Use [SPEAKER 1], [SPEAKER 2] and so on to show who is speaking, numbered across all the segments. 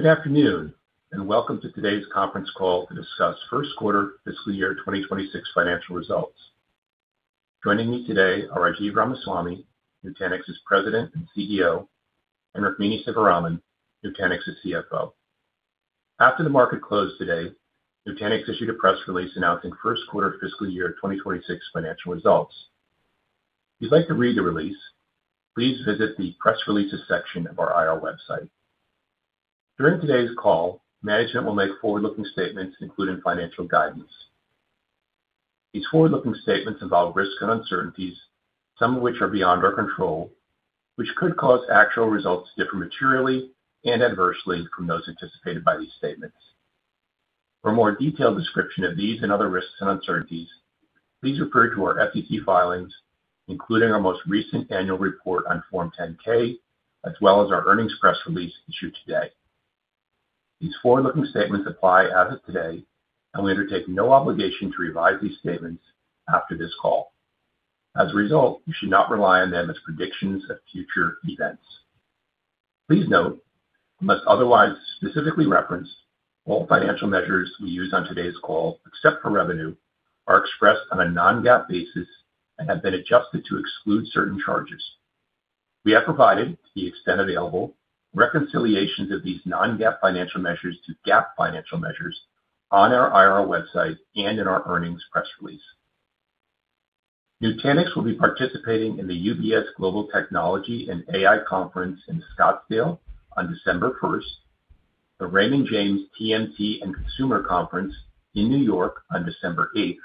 [SPEAKER 1] Good afternoon, and welcome to today's conference call to discuss first quarter fiscal year 2026 financial results. Joining me today are Rajiv Ramaswami, Nutanix's President and CEO, and Rukmini Sivaraman, Nutanix's CFO. After the market closed today, Nutanix issued a press release announcing first quarter fiscal year 2026 financial results. If you'd like to read the release, please visit the press releases section of our IR website. During today's call, management will make forward-looking statements including financial guidance. These forward-looking statements involve risks and uncertainties, some of which are beyond our control, which could cause actual results to differ materially and adversely from those anticipated by these statements. For a more detailed description of these and other risks and uncertainties, please refer to our SEC filings, including our most recent annual report on Form 10-K, as well as our earnings press release issued today. These forward-looking statements apply as of today, and we undertake no obligation to revise these statements after this call. As a result, you should not rely on them as predictions of future events. Please note, unless otherwise specifically referenced, all financial measures we use on today's call, except for revenue, are expressed on a non-GAAP basis and have been adjusted to exclude certain charges. We have provided, to the extent available, reconciliations of these non-GAAP financial measures to GAAP financial measures on our IR website and in our earnings press release. Nutanix will be participating in the UBS Global Technology and AI Conference in Scottsdale on December 1, the Raymond James TMT and Consumer Conference in New York on December 8,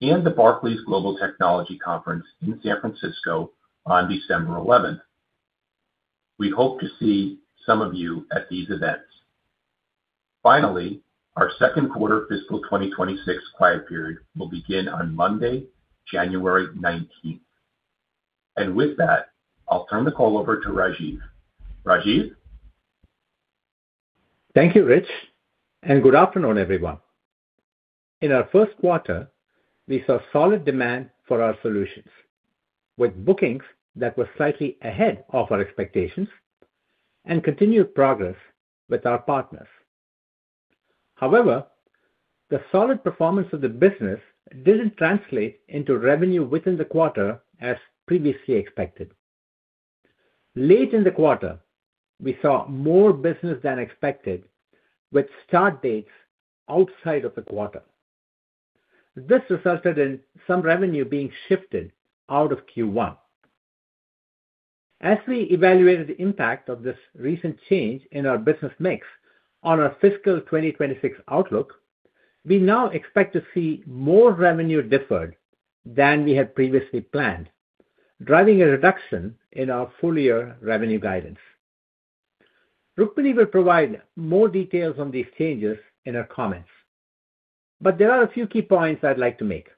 [SPEAKER 1] and the Barclays Global Technology Conference in San Francisco on December 11. We hope to see some of you at these events. Finally, our second quarter fiscal 2026 quiet period will begin on Monday, January 19. With that, I'll turn the call over to Rajiv. Rajiv?
[SPEAKER 2] Thank you, Rich, and good afternoon, everyone. In our first quarter, we saw solid demand for our solutions, with bookings that were slightly ahead of our expectations, and continued progress with our partners. However, the solid performance of the business did not translate into revenue within the quarter as previously expected. Late in the quarter, we saw more business than expected, with start dates outside of the quarter. This resulted in some revenue being shifted out of Q1. As we evaluated the impact of this recent change in our business mix on our fiscal 2026 outlook, we now expect to see more revenue deferred than we had previously planned, driving a reduction in our full-year revenue guidance. Rukmini will provide more details on these changes in her comments, but there are a few key points I'd like to make.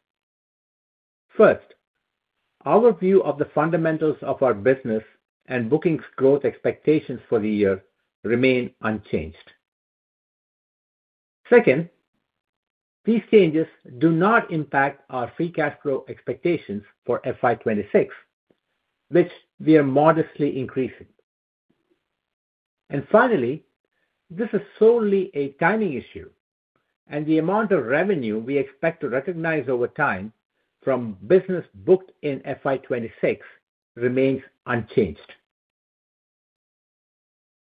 [SPEAKER 2] First, our view of the fundamentals of our business and bookings growth expectations for the year remain unchanged. Second, these changes do not impact our free cash flow expectations for FY26, which we are modestly increasing. Finally, this is solely a timing issue, and the amount of revenue we expect to recognize over time from business booked in FY26 remains unchanged.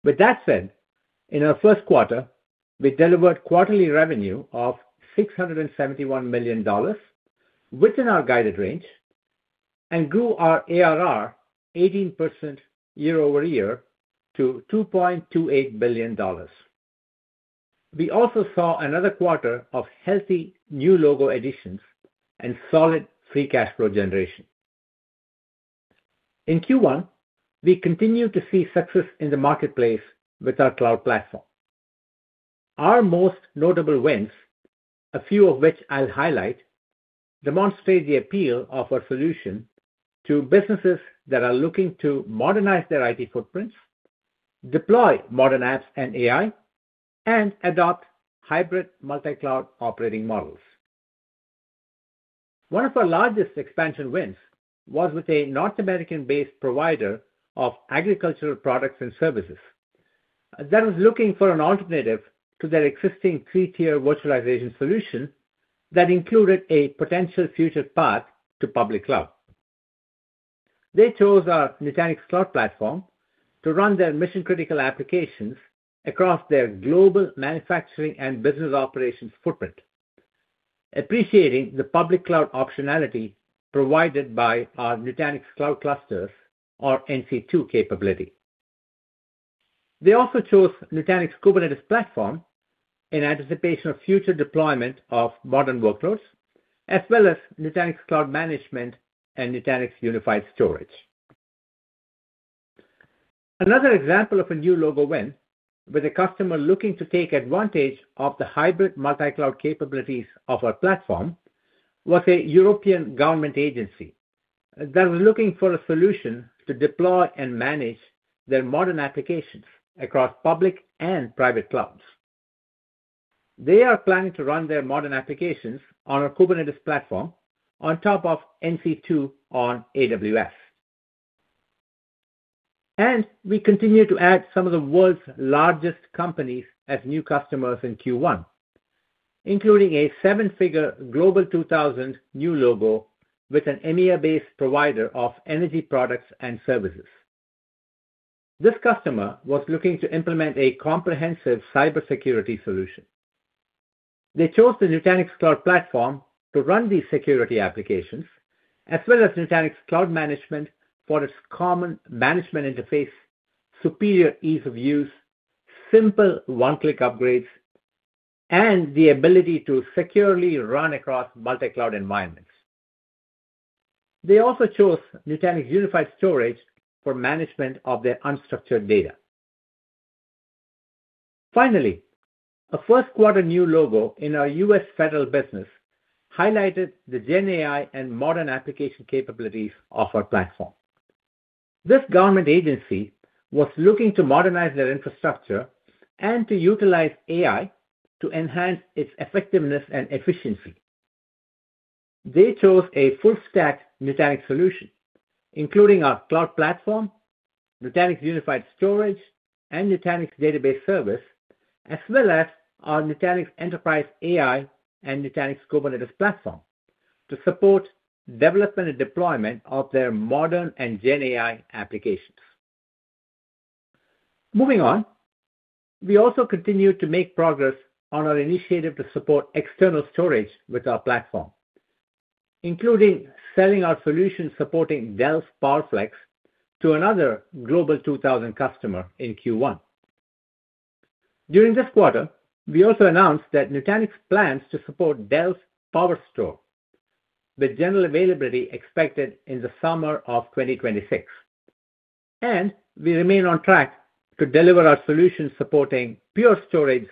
[SPEAKER 2] With that said, in our first quarter, we delivered quarterly revenue of $671 million, within our guided range, and grew our ARR 18% year-over-year to $2.28 billion. We also saw another quarter of healthy new logo additions and solid free cash flow generation. In Q1, we continued to see success in the marketplace with our cloud platform. Our most notable wins, a few of which I'll highlight, demonstrate the appeal of our solution to businesses that are looking to modernize their IT footprints, deploy modern apps and AI, and adopt hybrid multi-cloud operating models. One of our largest expansion wins was with a North American-based provider of agricultural products and services that was looking for an alternative to their existing three-tier virtualization solution that included a potential future path to public cloud. They chose our Nutanix Cloud Platform to run their mission-critical applications across their global manufacturing and business operations footprint, appreciating the public cloud optionality provided by our Nutanix Cloud Clusters, or NC2, capability. They also chose Nutanix Kubernetes Platform in anticipation of future deployment of modern workloads, as well as Nutanix Cloud Management and Nutanix Unified Storage. Another example of a new logo win with a customer looking to take advantage of the hybrid multicloud capabilities of our platform was a European government agency that was looking for a solution to deploy and manage their modern applications across public and private clouds. They are planning to run their modern applications on our Kubernetes Platform on top of NC2 on AWS. We continue to add some of the world's largest companies as new customers in Q1, including a seven-figure Global 2000 new logo with an EMEA-based provider of energy products and services. This customer was looking to implement a comprehensive cybersecurity solution. They chose the Nutanix Cloud Platform to run these security applications, as well as Nutanix Cloud Management for its common management interface, superior ease of use, simple one-click upgrades, and the ability to securely run across multicloud environments. They also chose Nutanix Unified Storage for management of their unstructured data. Finally, a first-quarter new logo in our U.S. federal business highlighted the GenAI and modern application capabilities of our platform. This government agency was looking to modernize their infrastructure and to utilize AI to enhance its effectiveness and efficiency. They chose a full-stack Nutanix solution, including our cloud platform, Nutanix Unified Storage, and Nutanix Database Service, as well as our Nutanix Enterprise AI and Nutanix Kubernetes Platform to support development and deployment of their modern and GenAI applications. Moving on, we also continue to make progress on our initiative to support external storage with our platform, including selling our solution supporting Dell's PowerFlex to another Global 2000 customer in Q1. During this quarter, we also announced that Nutanix plans to support Dell's PowerStore, with general availability expected in the summer of 2026. We remain on track to deliver our solution supporting Pure Storage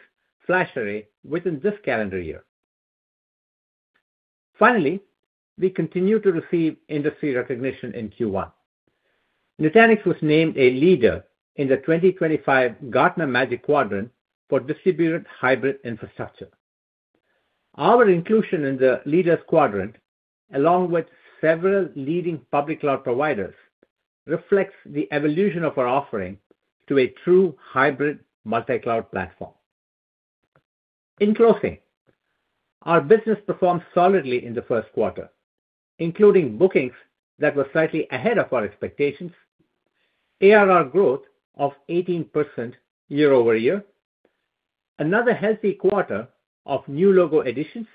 [SPEAKER 2] Flash Array within this calendar year. Finally, we continue to receive industry recognition in Q1. Nutanix was named a leader in the 2025 Gartner Magic Quadrant for distributed hybrid infrastructure. Our inclusion in the leaders' quadrant, along with several leading public cloud providers, reflects the evolution of our offering to a true hybrid multi-cloud platform. In closing, our business performed solidly in the first quarter, including bookings that were slightly ahead of our expectations, ARR growth of 18% year-over-year, another healthy quarter of new logo additions,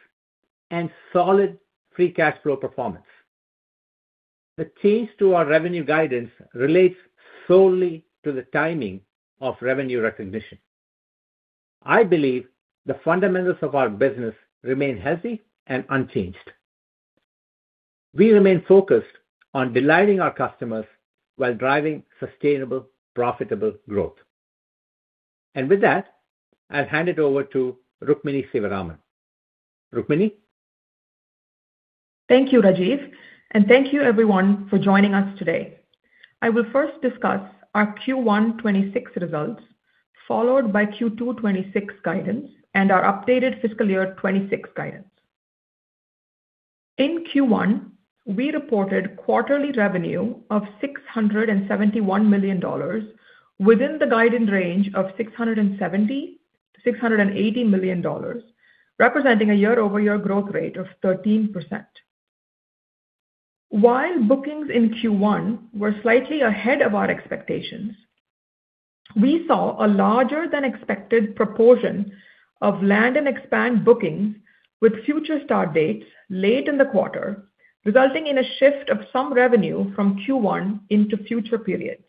[SPEAKER 2] and solid free cash flow performance. The change to our revenue guidance relates solely to the timing of revenue recognition. I believe the fundamentals of our business remain healthy and unchanged. We remain focused on delighting our customers while driving sustainable, profitable growth. With that, I'll hand it over to Rukmini Sivaraman. Rukmini?
[SPEAKER 3] Thank you, Rajiv, and thank you, everyone, for joining us today. I will first discuss our Q1 2026 results, followed by Q2 2026 guidance, and our updated fiscal year 2026 guidance. In Q1, we reported quarterly revenue of $671 million within the guided range of $670 million-$680 million, representing a year-over-year growth rate of 13%. While bookings in Q1 were slightly ahead of our expectations, we saw a larger-than-expected proportion of land and expand bookings with future start dates late in the quarter, resulting in a shift of some revenue from Q1 into future periods.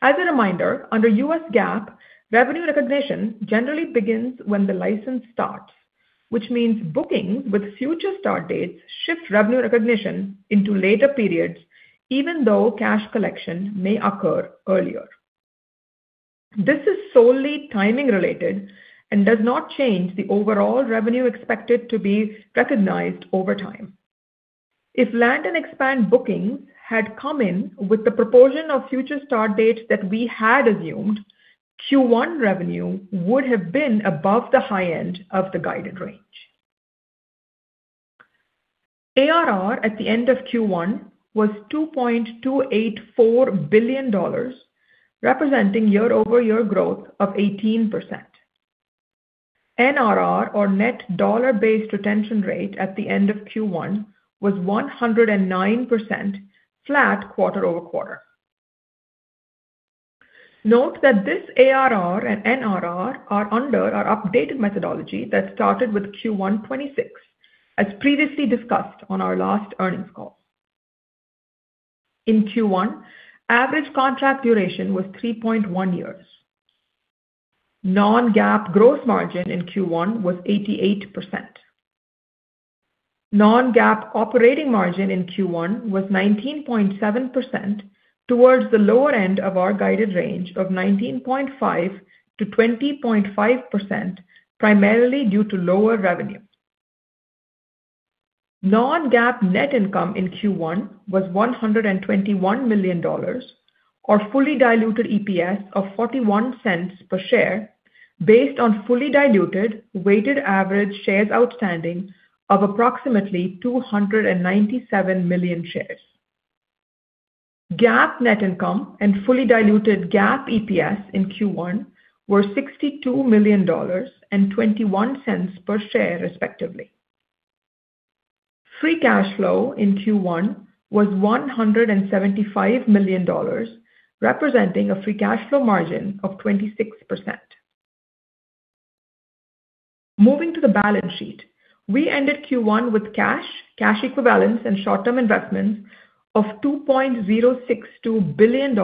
[SPEAKER 3] As a reminder, under U.S. GAAP, revenue recognition generally begins when the license starts, which means bookings with future start dates shift revenue recognition into later periods, even though cash collection may occur earlier. This is solely timing-related and does not change the overall revenue expected to be recognized over time. If land and expand bookings had come in with the proportion of future start dates that we had assumed, Q1 revenue would have been above the high end of the guided range. ARR at the end of Q1 was $2.284 billion, representing year-over-year growth of 18%. NRR, or net dollar-based retention rate, at the end of Q1 was 109%, flat quarter-over-quarter. Note that this ARR and NRR are under our updated methodology that started with Q1 2026, as previously discussed on our last earnings call. In Q1, average contract duration was 3.1 years. Non-GAAP gross margin in Q1 was 88%. Non-GAAP operating margin in Q1 was 19.7%, towards the lower end of our guided range of 19.5%-20.5%, primarily due to lower revenue. Non-GAAP net income in Q1 was $121 million, or fully diluted EPS of $0.41 per share, based on fully diluted weighted average shares outstanding of approximately 297 million shares. GAAP net income and fully diluted GAAP EPS in Q1 were $62 million and $0.21 per share, respectively. Free cash flow in Q1 was $175 million, representing a free cash flow margin of 26%. Moving to the balance sheet, we ended Q1 with cash, cash equivalents, and short-term investments of $2.062 billion,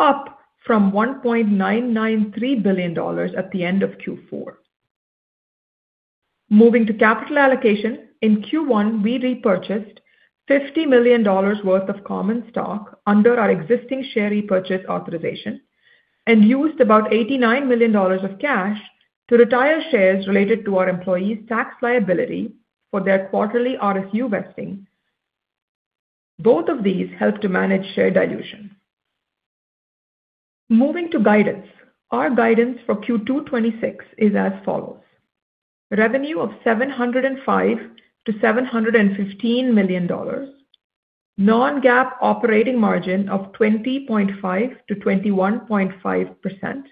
[SPEAKER 3] up from $1.993 billion at the end of Q4. Moving to capital allocation, in Q1, we repurchased $50 million worth of common stock under our existing share repurchase authorization and used about $89 million of cash to retire shares related to our employees' tax liability for their quarterly RSU vesting. Both of these helped to manage share dilution. Moving to guidance, our guidance for Q2 2026 is as follows: revenue of $705 million-$715 million, non-GAAP operating margin of 20.5%-21.5%,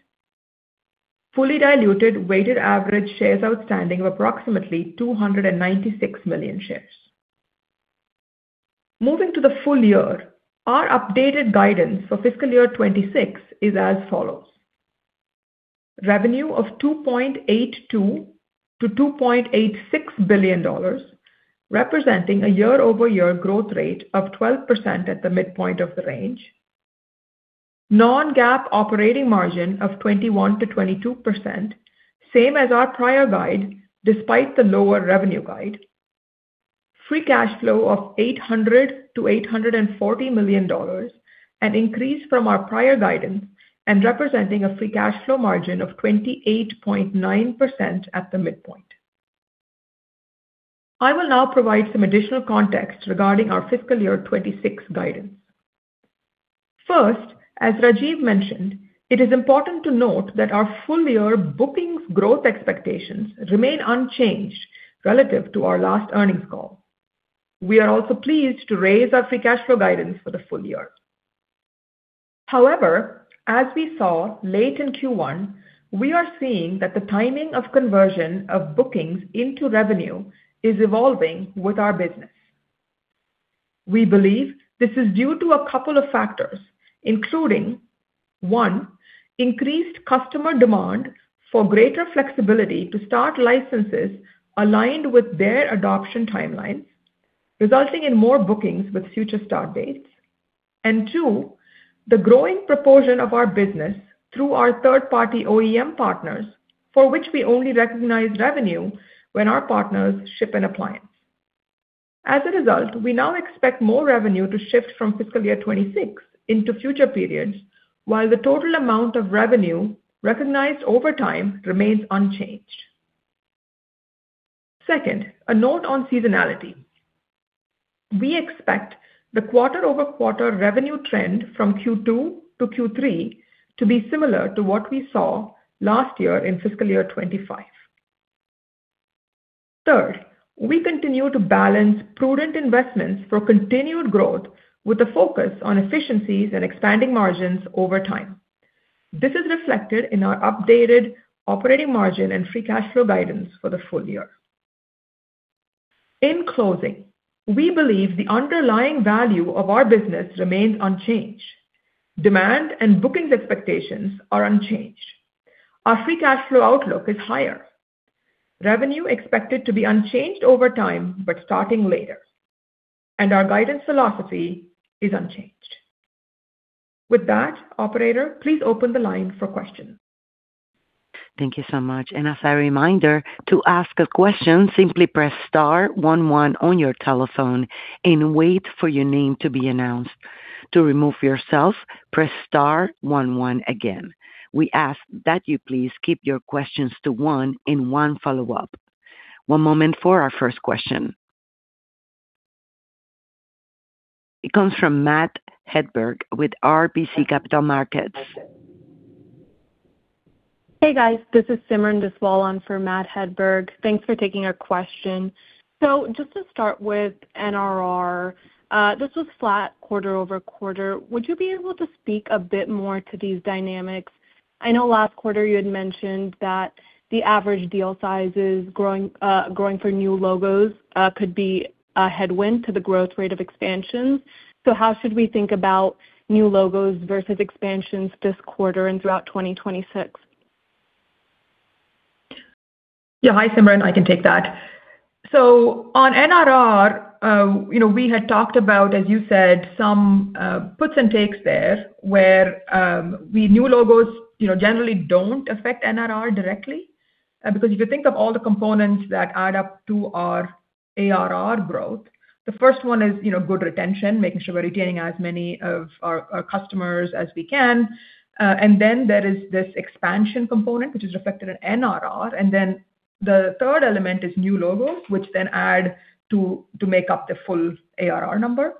[SPEAKER 3] fully diluted weighted average shares outstanding of approximately 296 million shares. Moving to the full year, our updated guidance for fiscal year 2026 is as follows: revenue of $2.82 billion-$2.86 billion, representing a year-over-year growth rate of 12% at the midpoint of the range, non-GAAP operating margin of 21%-22%, same as our prior guide despite the lower revenue guide, free cash flow of $800 million-$840 million, an increase from our prior guidance and representing a free cash flow margin of 28.9% at the midpoint. I will now provide some additional context regarding our fiscal year 2026 guidance. First, as Rajiv mentioned, it is important to note that our full-year bookings growth expectations remain unchanged relative to our last earnings call. We are also pleased to raise our free cash flow guidance for the full year. However, as we saw late in Q1, we are seeing that the timing of conversion of bookings into revenue is evolving with our business. We believe this is due to a couple of factors, including: one, increased customer demand for greater flexibility to start licenses aligned with their adoption timelines, resulting in more bookings with future start dates; and two, the growing proportion of our business through our third-party OEM partners, for which we only recognize revenue when our partners ship an appliance. As a result, we now expect more revenue to shift from fiscal year 2026 into future periods, while the total amount of revenue recognized over time remains unchanged. Second, a note on seasonality. We expect the quarter-over-quarter revenue trend from Q2 to Q3 to be similar to what we saw last year in fiscal year 2025. Third, we continue to balance prudent investments for continued growth with a focus on efficiencies and expanding margins over time. This is reflected in our updated operating margin and free cash flow guidance for the full year. In closing, we believe the underlying value of our business remains unchanged. Demand and bookings expectations are unchanged. Our free cash flow outlook is higher. Revenue expected to be unchanged over time, but starting later. Our guidance philosophy is unchanged. With that, Operator, please open the line for questions.
[SPEAKER 4] Thank you so much. As a reminder, to ask a question, simply press star one one on your telephone and wait for your name to be announced. To remove yourself, press star one one again. We ask that you please keep your questions to one and one follow-up. One moment for our first question. It comes from Matt Hedberg with RBC Capital Markets.
[SPEAKER 5] Hey, guys. This is Simran Deswal on for Matt Hedberg. Thanks for taking our question. Just to start with NRR, this was flat quarter-over-quarter. Would you be able to speak a bit more to these dynamics? I know last quarter you had mentioned that the average deal sizes growing for new logos could be a headwind to the growth rate of expansions. How should we think about new logos versus expansions this quarter and throughout 2026?
[SPEAKER 3] Yeah. Hi, Simran. I can take that. On NRR, we had talked about, as you said, some puts and takes there where new logos generally don't affect NRR directly. If you think of all the components that add up to our ARR growth, the first one is good retention, making sure we're retaining as many of our customers as we can. Then there is this expansion component, which is reflected in NRR. The third element is new logos, which then add to make up the full ARR number.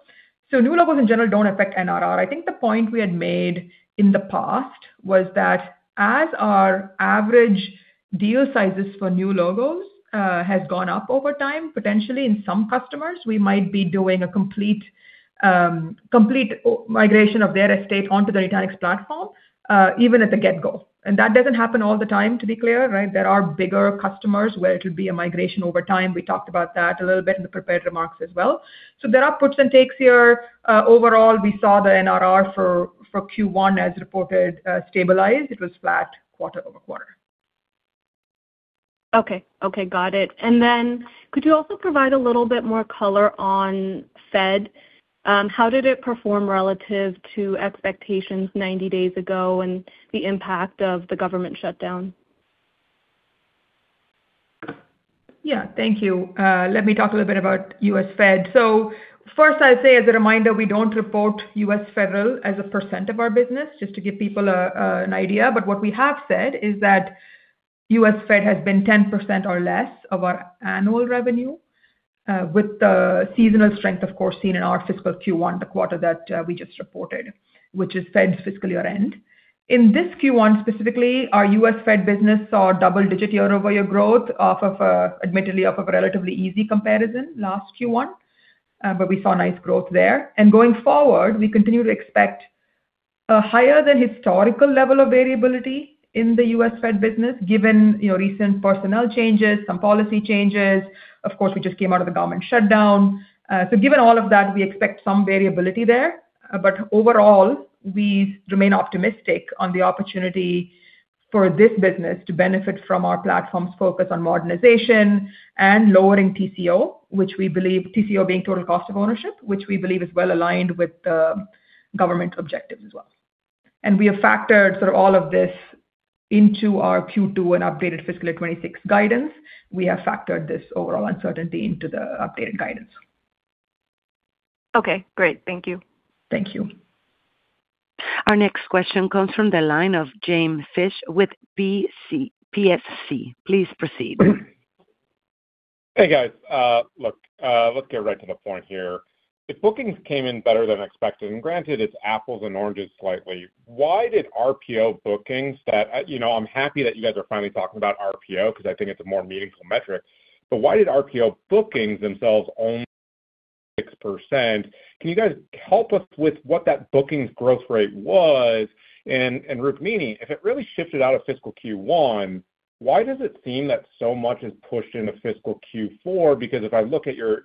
[SPEAKER 3] New logos, in general, don't affect NRR. I think the point we had made in the past was that as our average deal sizes for new logos have gone up over time, potentially in some customers, we might be doing a complete migration of their estate onto the Nutanix platform even at the get-go. That does not happen all the time, to be clear, right? There are bigger customers where it will be a migration over time. We talked about that a little bit in the prepared remarks as well. There are puts and takes here. Overall, we saw the NRR for Q1, as reported, stabilized. It was flat quarter-over-quarter.
[SPEAKER 5] Okay. Okay. Got it. Could you also provide a little bit more color on Fed? How did it perform relative to expectations 90 days ago and the impact of the government shutdown?
[SPEAKER 3] Yeah. Thank you. Let me talk a little bit about U.S. Fed. First, I'll say as a reminder, we don't report U.S. Federal as a percent of our business, just to give people an idea. What we have said is that U.S. Fed has been 10% or less of our annual revenue with the seasonal strength, of course, seen in our fiscal Q1, the quarter that we just reported, which is Fed's fiscal year-end. In this Q1, specifically, our U.S. Fed business saw a double-digit year-over-year growth, admittedly, off of a relatively easy comparison last Q1. We saw nice growth there. Going forward, we continue to expect a higher-than-historical level of variability in the U.S. Fed business, given recent personnel changes, some policy changes. We just came out of the government shutdown. Given all of that, we expect some variability there. Overall, we remain optimistic on the opportunity for this business to benefit from our platform's focus on modernization and lowering TCO, which we believe, TCO being total cost of ownership, is well aligned with the government objectives as well. We have factored all of this into our Q2 and updated fiscal year 2026 guidance. We have factored this overall uncertainty into the updated guidance.
[SPEAKER 5] Okay. Great. Thank you.
[SPEAKER 3] Thank you.
[SPEAKER 4] Our next question comes from the line of James Fish with PSC. Please proceed.
[SPEAKER 6] Hey, guys. Look, let's get right to the point here. If bookings came in better than expected, and granted, it's apples and oranges slightly, why did RPO bookings that I'm happy that you guys are finally talking about RPO because I think it's a more meaningful metric. But why did RPO bookings themselves only 6%? Can you guys help us with what that bookings growth rate was? And Rukmini, if it really shifted out of fiscal Q1, why does it seem that so much is pushed into fiscal Q4? Because if I look at your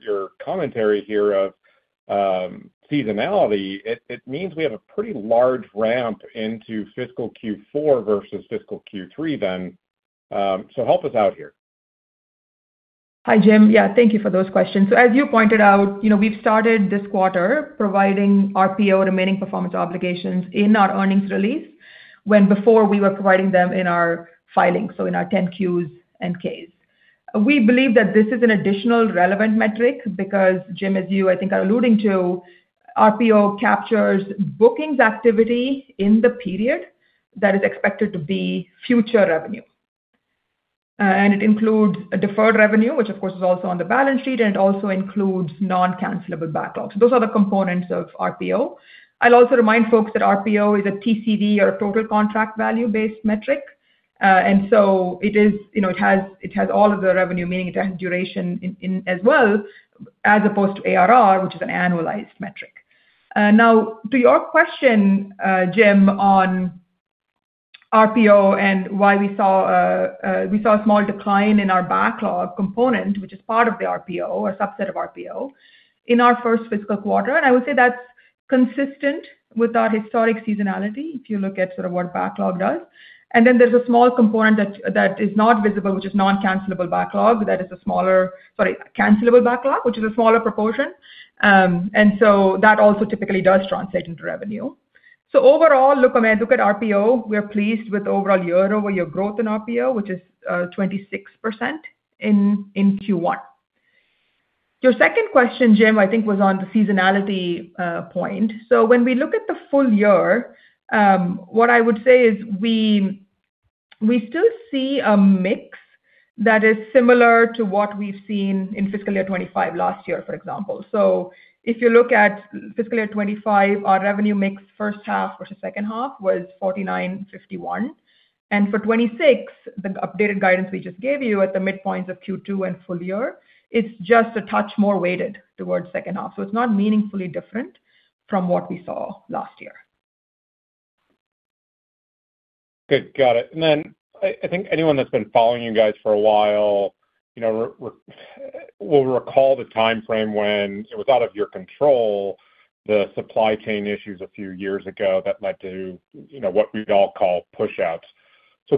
[SPEAKER 6] commentary here of seasonality, it means we have a pretty large ramp into fiscal Q4 versus fiscal Q3 then. Help us out here.
[SPEAKER 3] Hi, Jim. Yeah. Thank you for those questions. As you pointed out, we've started this quarter providing RPO, remaining performance obligations, in our earnings release when before we were providing them in our filings, in our 10-Qs and Ks. We believe that this is an additional relevant metric because, Jim, as you, I think, are alluding to, RPO captures bookings activity in the period that is expected to be future revenue. It includes deferred revenue, which, of course, is also on the balance sheet, and it also includes non-cancelable backlogs. Those are the components of RPO. I'll also remind folks that RPO is a TCV, or a total contract value-based metric. It has all of the revenue, meaning it has duration as well, as opposed to ARR, which is an annualized metric. Now, to your question, Jim, on RPO and why we saw a small decline in our backlog component, which is part of the RPO or subset of RPO in our first fiscal quarter. I would say that's consistent with our historic seasonality if you look at sort of what backlog does. There is a small component that is not visible, which is non-cancelable backlog. That is a smaller—sorry, cancelable backlog, which is a smaller proportion. That also typically does translate into revenue. Overall, look at RPO. We're pleased with overall year-over-year growth in RPO, which is 26% in Q1. Your second question, Jim, I think, was on the seasonality point. When we look at the full year, what I would say is we still see a mix that is similar to what we've seen in fiscal year 2025 last year, for example. If you look at fiscal year 2025, our revenue mix first half versus second half was 49, 51. For 2026, the updated guidance we just gave you at the midpoint of Q2 and full year, it is just a touch more weighted towards second half. It is not meaningfully different from what we saw last year.
[SPEAKER 6] Okay. Got it. I think anyone that's been following you guys for a while will recall the timeframe when it was out of your control, the supply chain issues a few years ago that led to what we all call push-outs.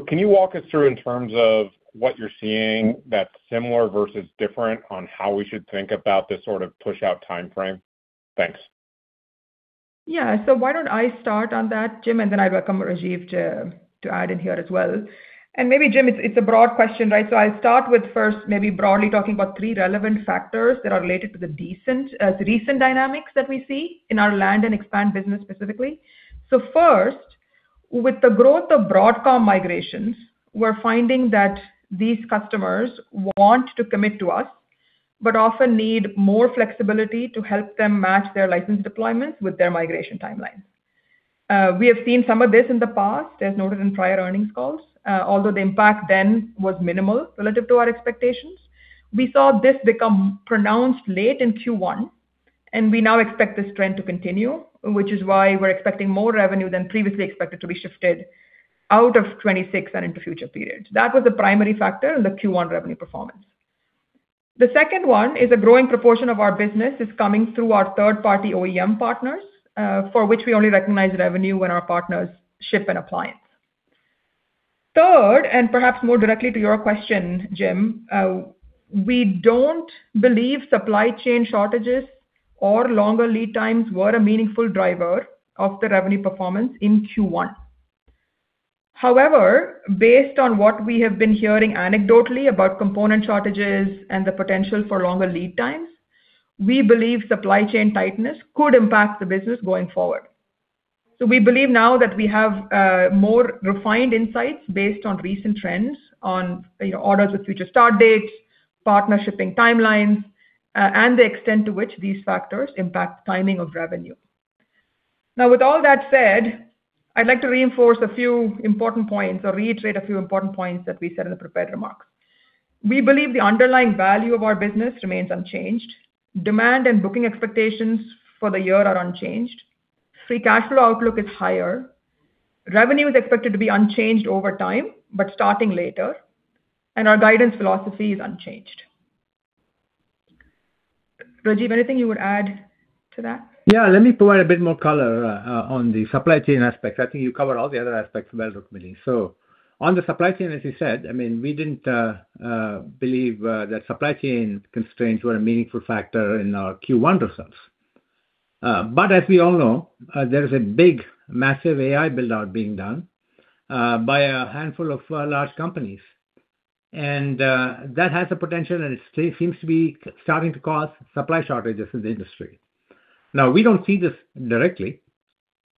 [SPEAKER 6] Can you walk us through in terms of what you're seeing that's similar versus different on how we should think about this sort of push-out timeframe? Thanks.
[SPEAKER 3] Yeah. Why don't I start on that, Jim, and then I welcome Rajiv to add in here as well. Maybe, Jim, it's a broad question, right? I'll start with first maybe broadly talking about three relevant factors that are related to the recent dynamics that we see in our land and expand business specifically. First, with the growth of Broadcom migrations, we're finding that these customers want to commit to us but often need more flexibility to help them match their license deployments with their migration timelines. We have seen some of this in the past, as noted in prior earnings calls, although the impact then was minimal relative to our expectations. We saw this become pronounced late in Q1, and we now expect this trend to continue, which is why we're expecting more revenue than previously expected to be shifted out of 2026 and into future periods. That was the primary factor in the Q1 revenue performance. The second one is a growing proportion of our business is coming through our third-party OEM partners, for which we only recognize revenue when our partners ship an appliance. Third, and perhaps more directly to your question, Jim, we don't believe supply chain shortages or longer lead times were a meaningful driver of the revenue performance in Q1. However, based on what we have been hearing anecdotally about component shortages and the potential for longer lead times, we believe supply chain tightness could impact the business going forward. We believe now that we have more refined insights based on recent trends on orders with future start dates, partner shipping timelines, and the extent to which these factors impact timing of revenue. With all that said, I'd like to reinforce a few important points or reiterate a few important points that we said in the prepared remarks. We believe the underlying value of our business remains unchanged. Demand and booking expectations for the year are unchanged. Free cash flow outlook is higher. Revenue is expected to be unchanged over time, but starting later. Our guidance philosophy is unchanged. Rajiv, anything you would add to that?
[SPEAKER 2] Yeah. Let me provide a bit more color on the supply chain aspect. I think you covered all the other aspects well, Rukmini. On the supply chain, as you said, I mean, we did not believe that supply chain constraints were a meaningful factor in our Q1 results. As we all know, there is a big, massive AI build-out being done by a handful of large companies. That has a potential, and it seems to be starting to cause supply shortages in the industry. Now, we do not see this directly,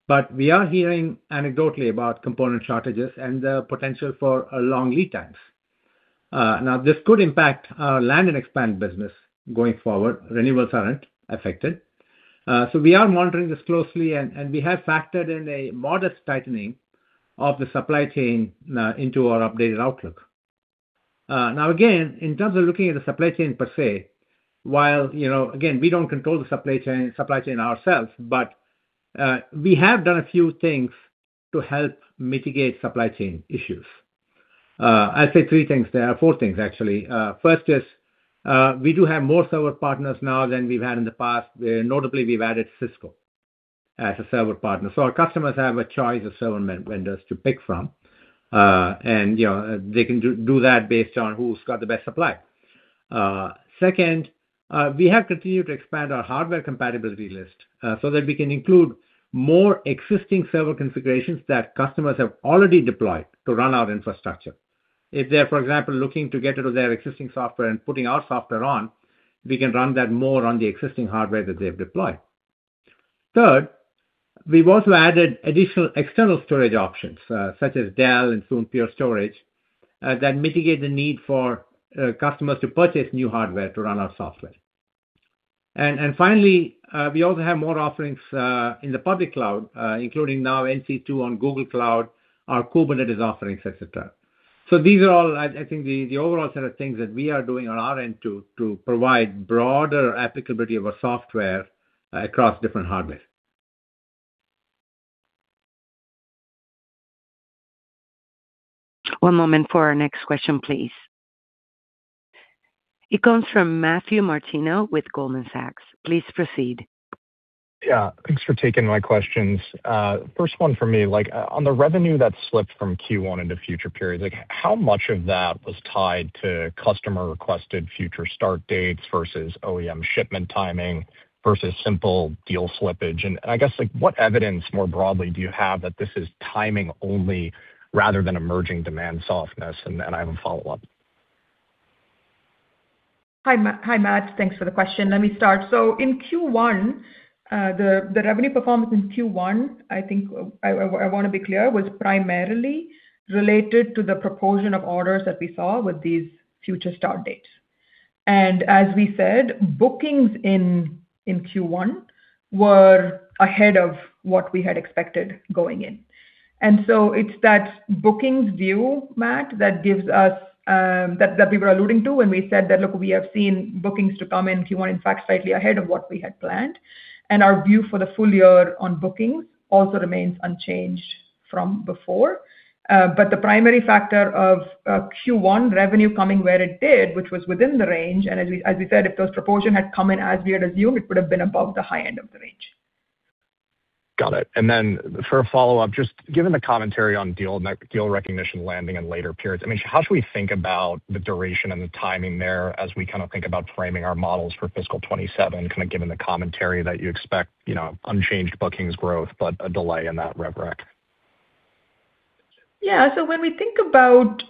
[SPEAKER 2] but we are hearing anecdotally about component shortages and the potential for long lead times. This could impact our land and expand business going forward. Renewals are not affected. We are monitoring this closely, and we have factored in a modest tightening of the supply chain into our updated outlook. Now, again, in terms of looking at the supply chain per se, while again, we do not control the supply chain ourselves, but we have done a few things to help mitigate supply chain issues. I'll say three things there, four things, actually. First is we do have more server partners now than we've had in the past. Notably, we've added Cisco as a server partner. So our customers have a choice of server vendors to pick from, and they can do that based on who's got the best supply. Second, we have continued to expand our hardware compatibility list so that we can include more existing server configurations that customers have already deployed to run our infrastructure. If they're, for example, looking to get rid of their existing software and putting our software on, we can run that more on the existing hardware that they've deployed. Third, we've also added additional external storage options, such as Dell and soon Pure Storage, that mitigate the need for customers to purchase new hardware to run our software. Finally, we also have more offerings in the public cloud, including now NC2 on Google Cloud, our Kubernetes offerings, etc. These are all, I think, the overall set of things that we are doing on our end to provide broader applicability of our software across different hardware.
[SPEAKER 4] One moment for our next question, please. It comes from Matthew Martino with Goldman Sachs. Please proceed.
[SPEAKER 7] Yeah. Thanks for taking my questions. First one for me, on the revenue that slipped from Q1 into future periods, how much of that was tied to customer-requested future start dates versus OEM shipment timing versus simple deal slippage? I guess, what evidence more broadly do you have that this is timing only rather than emerging demand softness? I have a follow-up.
[SPEAKER 3] Hi, Matt. Thanks for the question. Let me start. In Q1, the revenue performance in Q1, I think I want to be clear, was primarily related to the proportion of orders that we saw with these future start dates. As we said, bookings in Q1 were ahead of what we had expected going in. It is that bookings view, Matt, that gives us what we were alluding to when we said that, "Look, we have seen bookings come in Q1, in fact, slightly ahead of what we had planned." Our view for the full year on bookings also remains unchanged from before. The primary factor of Q1 revenue coming where it did, which was within the range. As we said, if those proportions had come in as we had assumed, it would have been above the high end of the range.
[SPEAKER 7] Got it. For a follow-up, just given the commentary on deal recognition landing in later periods, I mean, how should we think about the duration and the timing there as we kind of think about framing our models for fiscal 2027, kind of given the commentary that you expect unchanged bookings growth, but a delay in that rubber?
[SPEAKER 3] Yeah. When we think about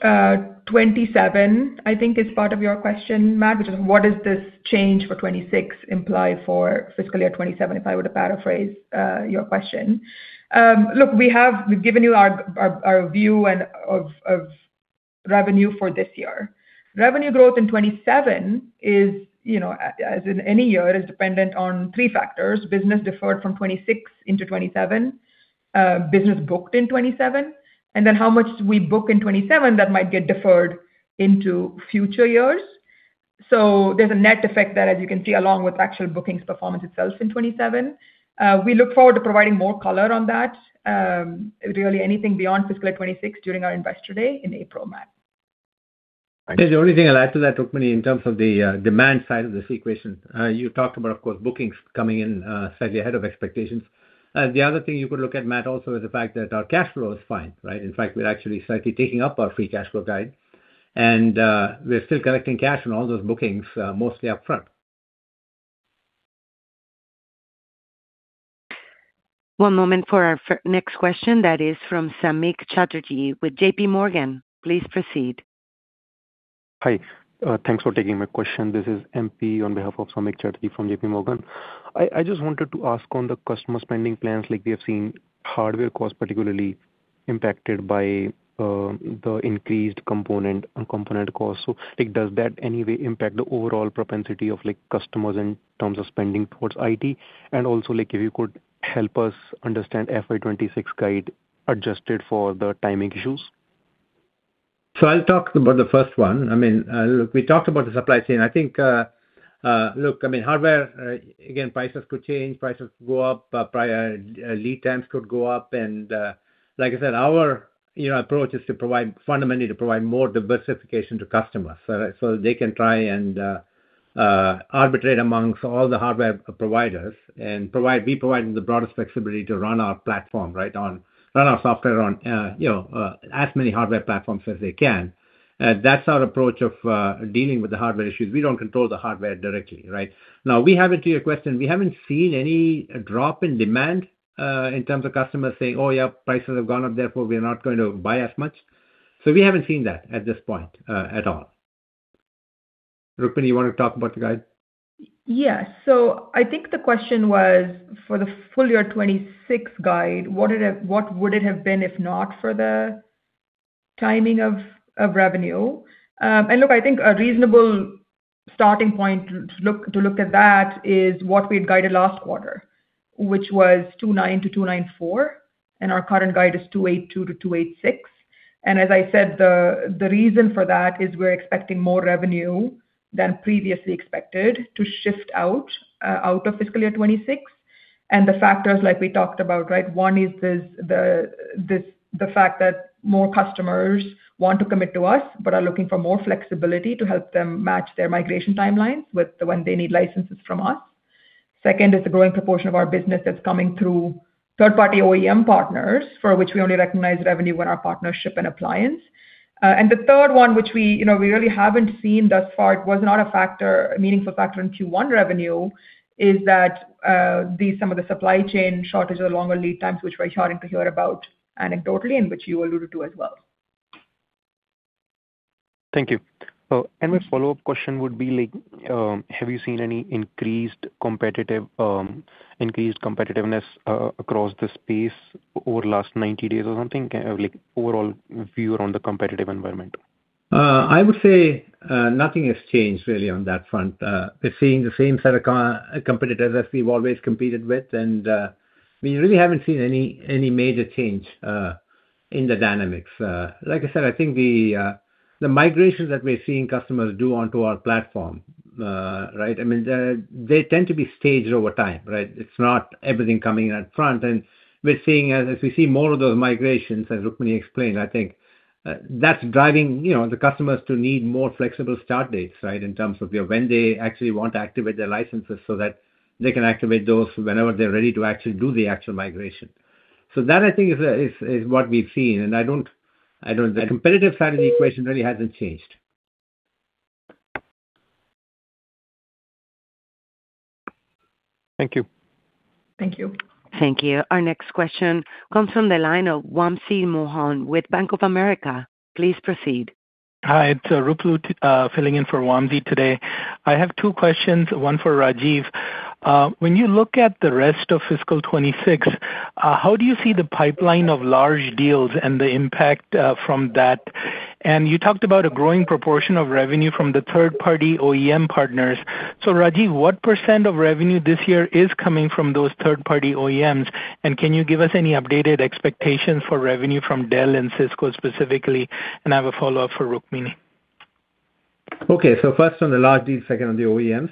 [SPEAKER 3] '27, I think it's part of your question, Matt, which is, "What does this change for '26 imply for fiscal year '27?" If I were to paraphrase your question, look, we've given you our view of revenue for this year. Revenue growth in '27 is, as in any year, dependent on three factors: business deferred from '26 into '27, business booked in '27, and then how much we book in '27 that might get deferred into future years. There's a net effect that, as you can see, along with actual bookings performance itself in '27. We look forward to providing more color on that, really anything beyond fiscal year '26 during our investor day in April, Matt.
[SPEAKER 2] The only thing I'll add to that, Rukmini, in terms of the demand side of this equation, you talked about, of course, bookings coming in slightly ahead of expectations. The other thing you could look at, Matt, also is the fact that our cash flow is fine, right? In fact, we're actually slightly taking up our free cash flow guide, and we're still collecting cash on all those bookings, mostly upfront.
[SPEAKER 4] One moment for our next question. That is from Samik Chatterjee with JPMorgan. Please proceed.
[SPEAKER 8] Hi. Thanks for taking my question. This is MP on behalf of Samik Chatterjee from JPMorgan. I just wanted to ask on the customer spending plans, like we have seen hardware costs particularly impacted by the increased component costs. Does that in any way impact the overall propensity of customers in terms of spending towards IT? Also, if you could help us understand FY26 guide adjusted for the timing issues.
[SPEAKER 2] I'll talk about the first one. I mean, look, we talked about the supply chain. I think, look, I mean, hardware, again, prices could change. Prices go up. Lead times could go up. Like I said, our approach is to provide fundamentally to provide more diversification to customers so they can try and arbitrate amongst all the hardware providers and be provided the broadest flexibility to run our platform, right, run our software on as many hardware platforms as they can. That's our approach of dealing with the hardware issues. We don't control the hardware directly, right? Now, to your question, we haven't seen any drop in demand in terms of customers saying, "Oh, yeah, prices have gone up. Therefore, we are not going to buy as much." We haven't seen that at this point at all. Rukmini, you want to talk about the guide?
[SPEAKER 3] Yes. I think the question was for the full year 2026 guide, what would it have been if not for the timing of revenue? I think a reasonable starting point to look at that is what we had guided last quarter, which was $290 million-$294 million. Our current guide is $282 million-$286 million. As I said, the reason for that is we're expecting more revenue than previously expected to shift out of fiscal year 2026. The factors like we talked about, right? One is the fact that more customers want to commit to us but are looking for more flexibility to help them match their migration timelines when they need licenses from us. Second is the growing proportion of our business that's coming through third-party OEM partners, for which we only recognize revenue when our partnership and appliance. The third one, which we really have not seen thus far, it was not a meaningful factor in Q1 revenue, is that some of the supply chain shortage or longer lead times, which we are starting to hear about anecdotally, and which you alluded to as well.
[SPEAKER 8] Thank you. My follow-up question would be, have you seen any increased competitiveness across the space over the last 90 days or something, overall view around the competitive environment?
[SPEAKER 2] I would say nothing has changed really on that front. We're seeing the same set of competitors as we've always competed with, and we really haven't seen any major change in the dynamics. Like I said, I think the migrations that we're seeing customers do onto our platform, right, I mean, they tend to be staged over time, right? It's not everything coming in upfront. We're seeing, as we see more of those migrations, as Rukmini explained, I think that's driving the customers to need more flexible start dates, right, in terms of when they actually want to activate their licenses so that they can activate those whenever they're ready to actually do the actual migration. That, I think, is what we've seen. The competitive side of the equation really hasn't changed.
[SPEAKER 8] Thank you.
[SPEAKER 3] Thank you.
[SPEAKER 4] Thank you. Our next question comes from the line of Wamsi Mohan with Bank of America. Please proceed.
[SPEAKER 9] Hi. It's Ruplu filling in for Wamsi today. I have two questions, one for Rajiv. When you look at the rest of fiscal 2026, how do you see the pipeline of large deals and the impact from that? You talked about a growing proportion of revenue from the third-party OEM partners. Rajiv, what % of revenue this year is coming from those third-party OEMs? Can you give us any updated expectations for revenue from Dell and Cisco specifically? I have a follow-up for Rukmini.
[SPEAKER 2] Okay. First on the large deals, second on the OEMs.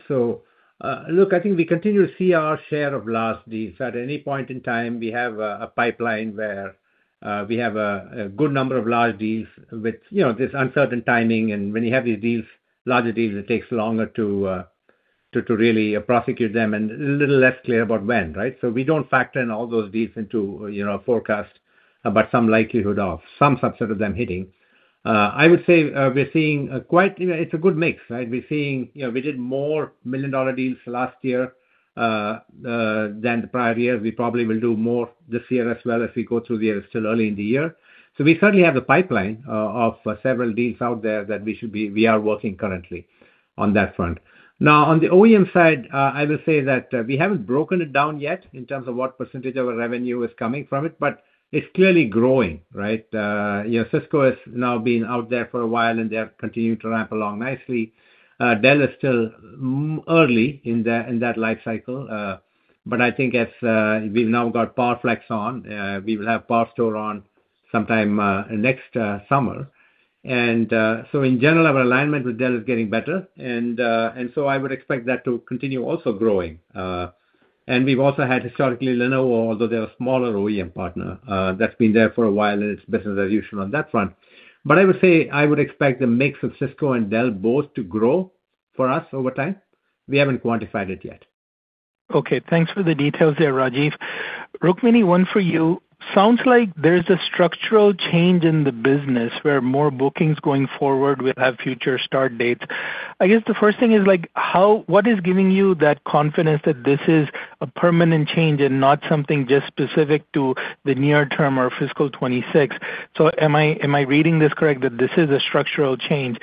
[SPEAKER 2] Look, I think we continue to see our share of large deals. At any point in time, we have a pipeline where we have a good number of large deals with this uncertain timing. When you have these deals, larger deals, it takes longer to really prosecute them and a little less clear about when, right? We do not factor in all those deals into a forecast, but some likelihood of some subset of them hitting. I would say we are seeing quite a good mix, right? We are seeing we did more million-dollar deals last year than the prior year. We probably will do more this year as well as we go through the year. It is still early in the year. We certainly have the pipeline of several deals out there that we are working currently on that front. Now, on the OEM side, I will say that we haven't broken it down yet in terms of what percentage of our revenue is coming from it, but it's clearly growing, right? Cisco has now been out there for a while, and they're continuing to ramp along nicely. Dell is still early in that life cycle. I think as we've now got PowerFlex on, we will have PowerStore on sometime next summer. In general, our alignment with Dell is getting better. I would expect that to continue also growing. We've also had historically Lenovo, although they're a smaller OEM partner, that's been there for a while and it's business as usual on that front. I would say I would expect the mix of Cisco and Dell both to grow for us over time. We haven't quantified it yet.
[SPEAKER 9] Okay. Thanks for the details there, Rajiv. Rukmini, one for you. Sounds like there's a structural change in the business where more bookings going forward will have future start dates. I guess the first thing is, what is giving you that confidence that this is a permanent change and not something just specific to the near term or fiscal 2026? Am I reading this correct, that this is a structural change?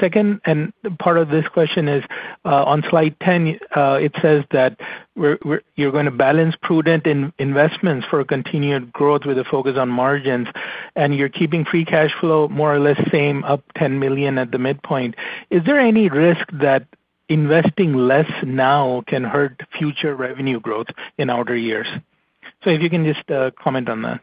[SPEAKER 9] Second, and part of this question is, on slide 10, it says that you're going to balance prudent investments for continued growth with a focus on margins, and you're keeping free cash flow more or less same, up $10 million at the midpoint. Is there any risk that investing less now can hurt future revenue growth in outer years? If you can just comment on that.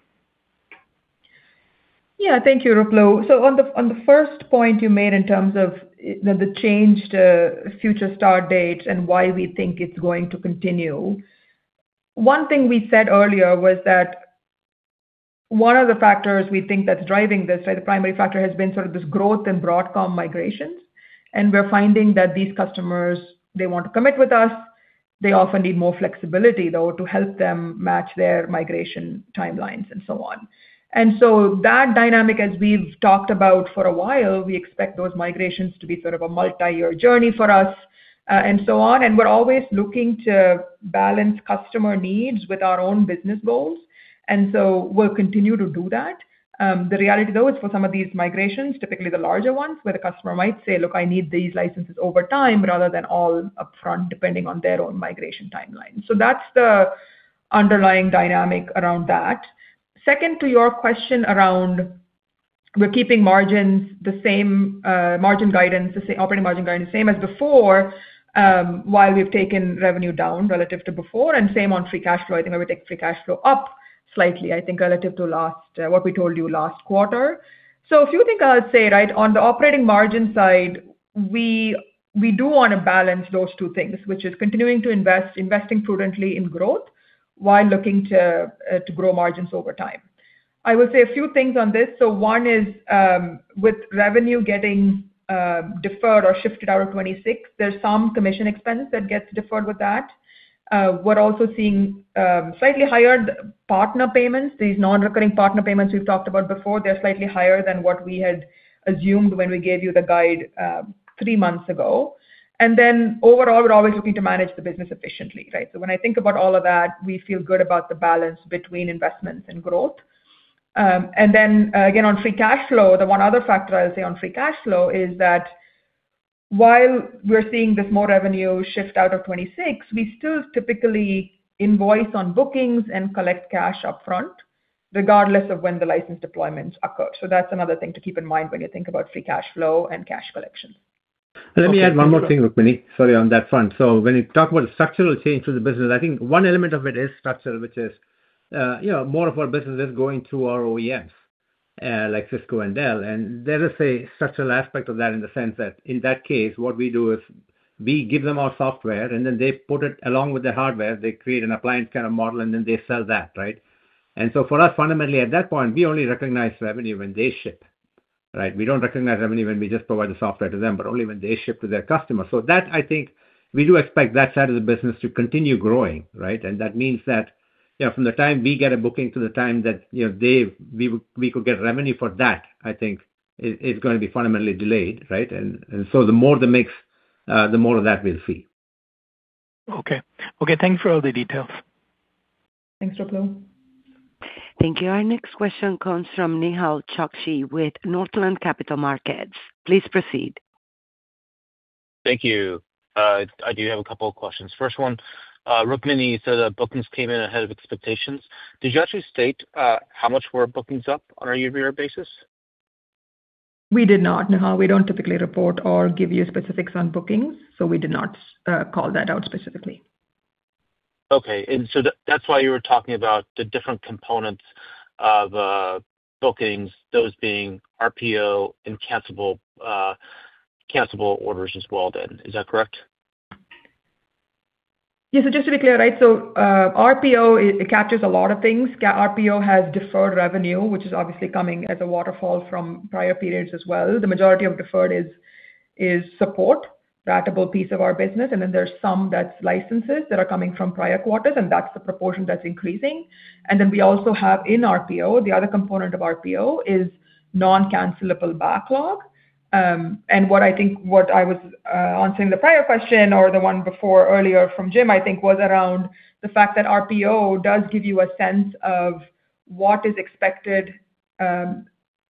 [SPEAKER 3] Yeah. Thank you, Ruplu. On the first point you made in terms of the changed future start dates and why we think it's going to continue, one thing we said earlier was that one of the factors we think that's driving this, right, the primary factor has been sort of this growth in Broadcom migrations. We're finding that these customers, they want to commit with us. They often need more flexibility, though, to help them match their migration timelines and so on. That dynamic, as we've talked about for a while, we expect those migrations to be sort of a multi-year journey for us and so on. We're always looking to balance customer needs with our own business goals. We'll continue to do that. The reality, though, is for some of these migrations, typically the larger ones, where the customer might say, "Look, I need these licenses over time," rather than all upfront, depending on their own migration timeline. That is the underlying dynamic around that. Second, to your question around we're keeping margins the same, margin guidance, operating margin guidance the same as before, while we've taken revenue down relative to before. Same on free cash flow. I think we're going to take free cash flow up slightly, I think, relative to what we told you last quarter. A few things I'll say, right? On the operating margin side, we do want to balance those two things, which is continuing to invest, investing prudently in growth while looking to grow margins over time. I will say a few things on this. One is with revenue getting deferred or shifted out of 2026, there's some commission expense that gets deferred with that. We're also seeing slightly higher partner payments. These non-recurring partner payments we've talked about before, they're slightly higher than what we had assumed when we gave you the guide three months ago. Overall, we're always looking to manage the business efficiently, right? When I think about all of that, we feel good about the balance between investments and growth. Again, on free cash flow, the one other factor I'll say on free cash flow is that while we're seeing this more revenue shift out of 2026, we still typically invoice on bookings and collect cash upfront, regardless of when the license deployments occur. That's another thing to keep in mind when you think about free cash flow and cash collections.
[SPEAKER 2] Let me add one more thing, Rukmini. Sorry, on that front. When you talk about a structural change to the business, I think one element of it is structural, which is more of our business is going through our OEMs like Cisco and Dell. There is a structural aspect of that in the sense that in that case, what we do is we give them our software, and then they put it along with their hardware. They create an appliance kind of model, and then they sell that, right? For us, fundamentally, at that point, we only recognize revenue when they ship, right? We do not recognize revenue when we just provide the software to them, but only when they ship to their customers. That, I think, we do expect that side of the business to continue growing, right? That means that from the time we get a booking to the time that we could get revenue for that, I think, is going to be fundamentally delayed, right? The more the mix, the more of that we'll see.
[SPEAKER 9] Okay. Okay. Thanks for all the details.
[SPEAKER 3] Thanks, Ruplu.
[SPEAKER 4] Thank you. Our next question comes from Nehal Chokshi with Northland Capital Markets. Please proceed.
[SPEAKER 10] Thank you. I do have a couple of questions. First one, Rukmini, you said that bookings came in ahead of expectations. Did you actually state how much were bookings up on a year-to-year basis?
[SPEAKER 3] We did not. Nehal, we do not typically report or give you specifics on bookings. So we did not call that out specifically.
[SPEAKER 10] Okay. That is why you were talking about the different components of bookings, those being RPO and cancelable orders as well then. Is that correct?
[SPEAKER 3] Yeah. Just to be clear, right? RPO, it captures a lot of things. RPO has deferred revenue, which is obviously coming as a waterfall from prior periods as well. The majority of deferred is support, that piece of our business. Then there is some that's licenses that are coming from prior quarters, and that's the proportion that's increasing. We also have in RPO, the other component of RPO is non-cancelable backlog. What I think, what I was answering the prior question or the one before earlier from Jim, I think, was around the fact that RPO does give you a sense of what is expected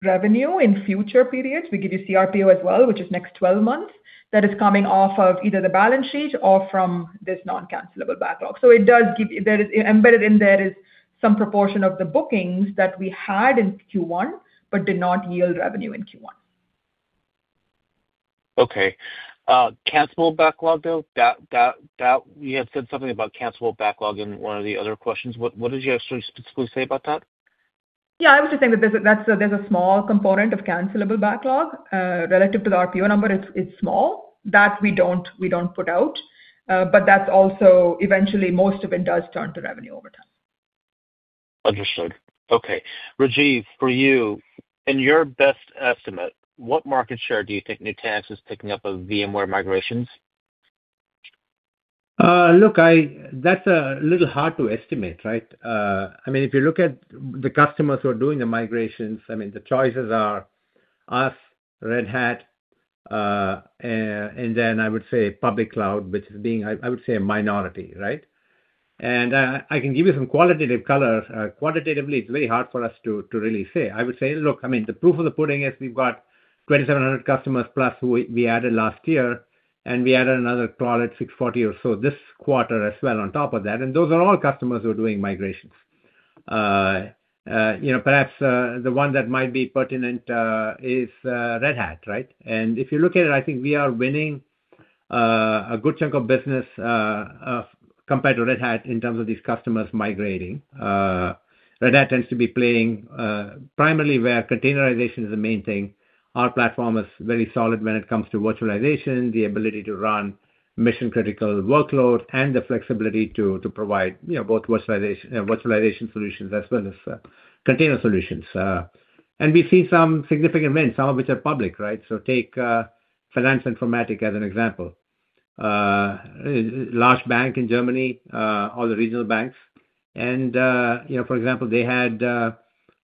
[SPEAKER 3] revenue in future periods. We give you CRPO as well, which is next 12 months that is coming off of either the balance sheet or from this non-cancelable backlog. It does give you embedded in there is some proportion of the bookings that we had in Q1 but did not yield revenue in Q1.
[SPEAKER 10] Okay. Cancelable backlog, though, you had said something about cancelable backlog in one of the other questions. What did you actually specifically say about that?
[SPEAKER 3] Yeah. I was just saying that there's a small component of cancelable backlog. Relative to the RPO number, it's small. That we don't put out. Most of it does turn to revenue over time.
[SPEAKER 10] Understood. Okay. Rajiv, for you, in your best estimate, what market share do you think Nutanix is picking up of VMware migrations?
[SPEAKER 2] Look, that's a little hard to estimate, right? I mean, if you look at the customers who are doing the migrations, I mean, the choices are us, Red Hat, and then I would say public cloud, which is being, I would say, a minority, right? I can give you some qualitative color. Quantitatively, it's very hard for us to really say. I would say, look, I mean, the proof of the pudding is we've got 2,700 customers plus who we added last year, and we added another cloud at 640 or so this quarter as well on top of that. Those are all customers who are doing migrations. Perhaps the one that might be pertinent is Red Hat, right? If you look at it, I think we are winning a good chunk of business compared to Red Hat in terms of these customers migrating. Red Hat tends to be playing primarily where containerization is the main thing. Our platform is very solid when it comes to virtualization, the ability to run mission-critical workloads, and the flexibility to provide both virtualization solutions as well as container solutions. We see some significant wins, some of which are public, right? Take Finance Informatica as an example. Large bank in Germany, all the regional banks. For example, they had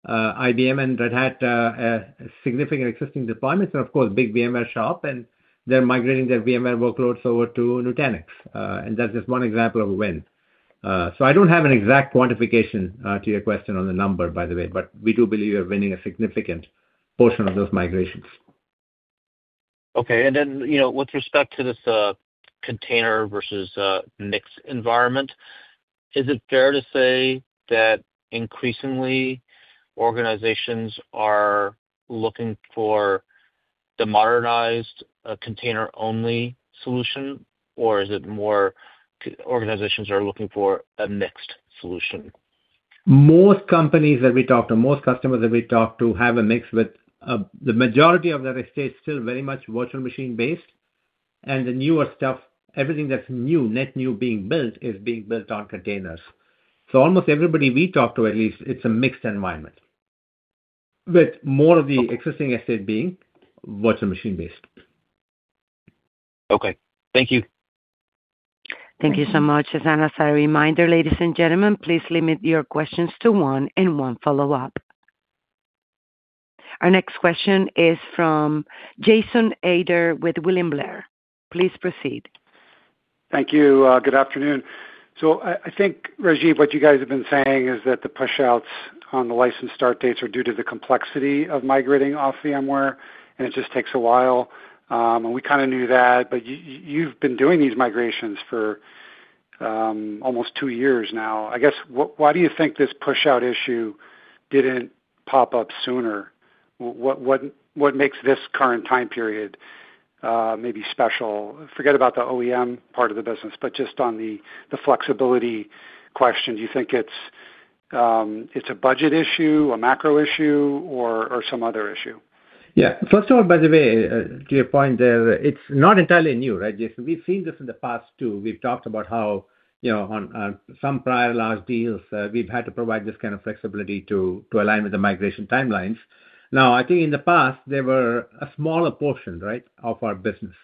[SPEAKER 2] IBM and Red Hat significant existing deployments and, of course, big VMware shop, and they are migrating their VMware workloads over to Nutanix. That is just one example of a win. I do not have an exact quantification to your question on the number, by the way, but we do believe we are winning a significant portion of those migrations.
[SPEAKER 10] Okay. With respect to this container versus mix environment, is it fair to say that increasingly organizations are looking for the modernized container-only solution, or is it more organizations are looking for a mixed solution?
[SPEAKER 2] Most companies that we talk to, most customers that we talk to have a mix with the majority of that stays still very much virtual machine-based. The newer stuff, everything that's new, net new being built, is being built on containers. Almost everybody we talk to, at least, it's a mixed environment, with more of the existing estate being virtual machine-based.
[SPEAKER 10] Okay. Thank you.
[SPEAKER 4] Thank you so much. As a reminder, ladies and gentlemen, please limit your questions to one and one follow-up. Our next question is from Jason Ader with William Blair. Please proceed.
[SPEAKER 11] Thank you. Good afternoon. I think, Rajiv, what you guys have been saying is that the push-outs on the license start dates are due to the complexity of migrating off VMware, and it just takes a while. We kind of knew that, but you've been doing these migrations for almost two years now. I guess, why do you think this push-out issue did not pop up sooner? What makes this current time period maybe special? Forget about the OEM part of the business, but just on the flexibility question, do you think it is a budget issue, a macro issue, or some other issue?
[SPEAKER 2] Yeah. First of all, by the way, to your point there, it's not entirely new, right? We've seen this in the past too. We've talked about how on some prior large deals, we've had to provide this kind of flexibility to align with the migration timelines. Now, I think in the past, there were a smaller portion, right, of our business.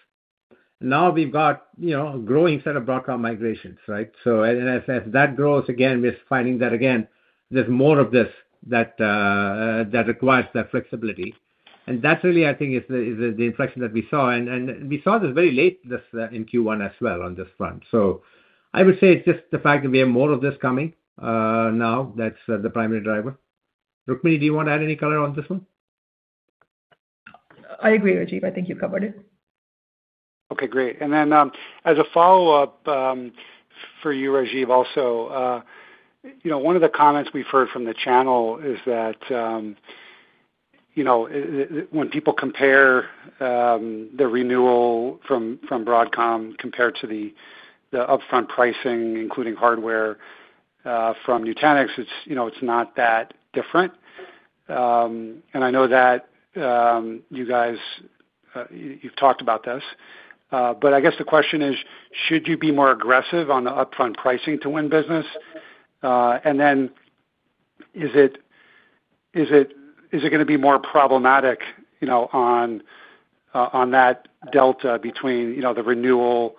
[SPEAKER 2] Now we've got a growing set of Broadcom migrations, right? As that grows, again, we're finding that again, there's more of this that requires that flexibility. That really, I think, is the inflection that we saw. We saw this very late in Q1 as well on this front. I would say it's just the fact that we have more of this coming now that's the primary driver. Rukmini, do you want to add any color on this one?
[SPEAKER 3] I agree, Rajiv. I think you've covered it.
[SPEAKER 11] Okay. Great. As a follow-up for you, Rajiv, also, one of the comments we've heard from the channel is that when people compare the renewal from Broadcom compared to the upfront pricing, including hardware from Nutanix, it's not that different. I know that you guys, you've talked about this. I guess the question is, should you be more aggressive on the upfront pricing to win business? Is it going to be more problematic on that delta between the renewal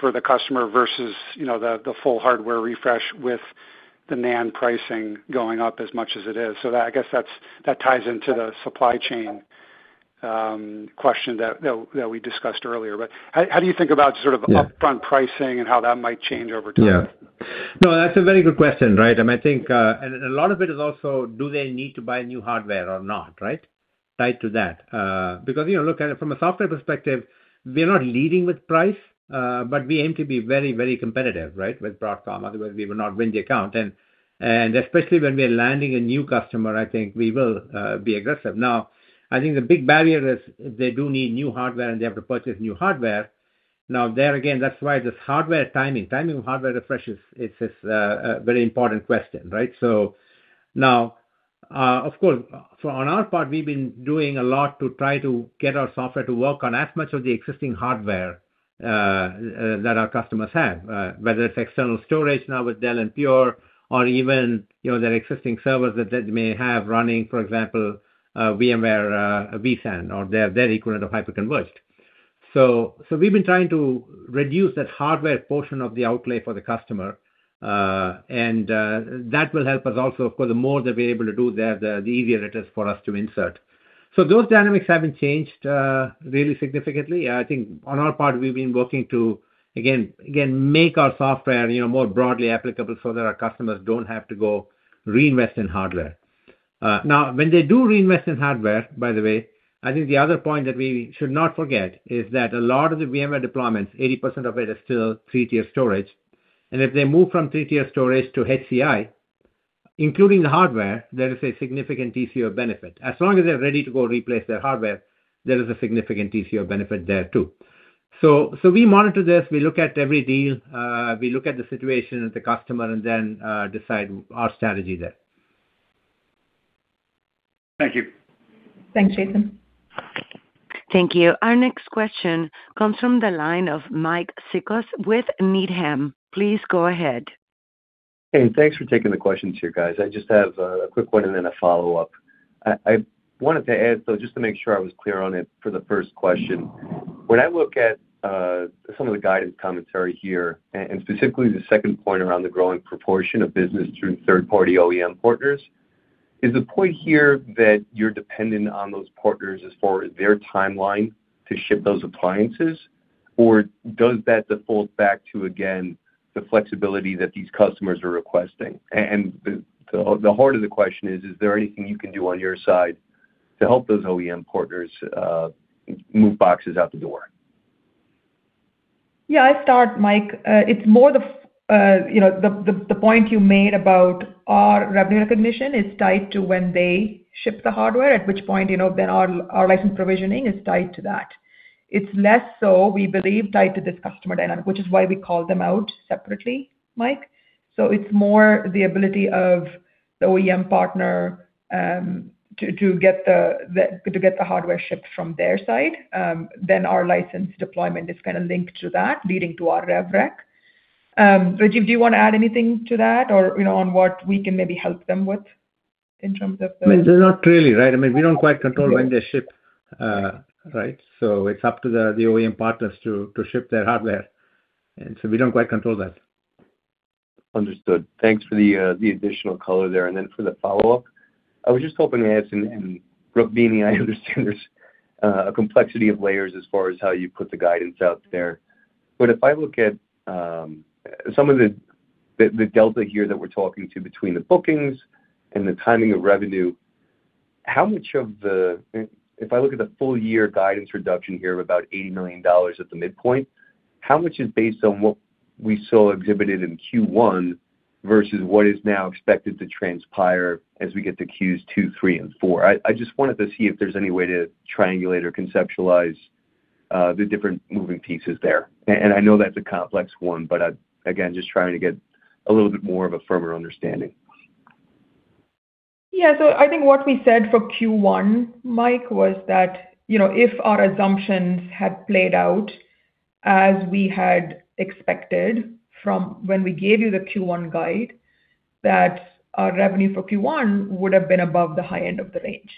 [SPEAKER 11] for the customer versus the full hardware refresh with the NAND pricing going up as much as it is? I guess that ties into the supply chain question that we discussed earlier. How do you think about sort of upfront pricing and how that might change over time?
[SPEAKER 2] Yeah. No, that's a very good question, right? I think a lot of it is also, do they need to buy new hardware or not, right? Tied to that. Because look, from a software perspective, we're not leading with price, but we aim to be very, very competitive, right, with Broadcom. Otherwise, we will not win the account. Especially when we're landing a new customer, I think we will be aggressive. Now, I think the big barrier is they do need new hardware and they have to purchase new hardware. There again, that's why this hardware timing, timing of hardware refreshes, it's a very important question, right? Of course, on our part, we've been doing a lot to try to get our software to work on as much of the existing hardware that our customers have, whether it's external storage now with Dell and Pure, or even their existing servers that they may have running, for example, VMware vSAN or their equivalent of hyperconverged. We've been trying to reduce that hardware portion of the outlay for the customer. That will help us also, of course, the more that we're able to do there, the easier it is for us to insert. Those dynamics haven't changed really significantly. I think on our part, we've been working to, again, make our software more broadly applicable so that our customers don't have to go reinvest in hardware. Now, when they do reinvest in hardware, by the way, I think the other point that we should not forget is that a lot of the VMware deployments, 80% of it is still three-tier storage. If they move from three-tier storage to HCI, including the hardware, there is a significant TCO benefit. As long as they're ready to go replace their hardware, there is a significant TCO benefit there too. We monitor this. We look at every deal. We look at the situation of the customer and then decide our strategy there.
[SPEAKER 11] Thank you.
[SPEAKER 3] Thanks, Jason.
[SPEAKER 4] Thank you. Our next question comes from the line of Mike Cikos with Needham. Please go ahead.
[SPEAKER 12] Hey, thanks for taking the questions here, guys. I just have a quick one and then a follow-up. I wanted to add, though, just to make sure I was clear on it for the first question. When I look at some of the guidance commentary here, and specifically the second point around the growing proportion of business through third-party OEM partners, is the point here that you're dependent on those partners as far as their timeline to ship those appliances, or does that default back to, again, the flexibility that these customers are requesting? The heart of the question is, is there anything you can do on your side to help those OEM partners move boxes out the door?
[SPEAKER 3] Yeah. I start, Mike. It's more the point you made about our revenue recognition is tied to when they ship the hardware, at which point then our license provisioning is tied to that. It's less so, we believe, tied to this customer dynamic, which is why we call them out separately, Mike. It's more the ability of the OEM partner to get the hardware shipped from their side. Then our license deployment is kind of linked to that, leading to our RevRec. Rajiv, do you want to add anything to that or on what we can maybe help them with in terms of the?
[SPEAKER 2] I mean, not really, right? I mean, we don't quite control when they ship, right? It is up to the OEM partners to ship their hardware. We don't quite control that.
[SPEAKER 12] Understood. Thanks for the additional color there. For the follow-up, I was just hoping to add something. Rukmini, I understand there's a complexity of layers as far as how you put the guidance out there. If I look at some of the delta here that we're talking to between the bookings and the timing of revenue, how much of the, if I look at the full-year guidance reduction here of about $80 million at the midpoint, how much is based on what we saw exhibited in Q1 versus what is now expected to transpire as we get to Qs 2, 3, and 4? I just wanted to see if there's any way to triangulate or conceptualize the different moving pieces there. I know that's a complex one, but again, just trying to get a little bit more of a firmer understanding.
[SPEAKER 3] Yeah. I think what we said for Q1, Mike, was that if our assumptions had played out as we had expected from when we gave you the Q1 guide, that our revenue for Q1 would have been above the high end of the range.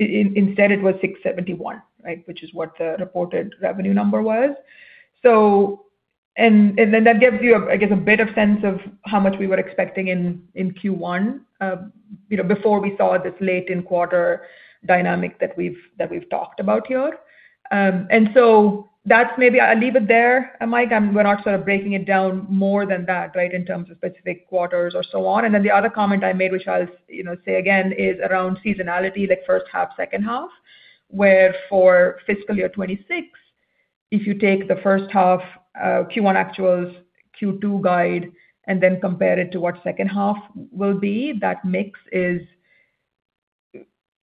[SPEAKER 3] Instead, it was $671 million, right, which is what the reported revenue number was. That gives you, I guess, a bit of sense of how much we were expecting in Q1 before we saw this late-in-quarter dynamic that we've talked about here. That's maybe I'll leave it there, Mike. We're not sort of breaking it down more than that, right, in terms of specific quarters or so on. The other comment I made, which I'll say again, is around seasonality, like first half, second half, where for fiscal year 2026, if you take the first half Q1 actuals, Q2 guide, and then compare it to what second half will be, that mix is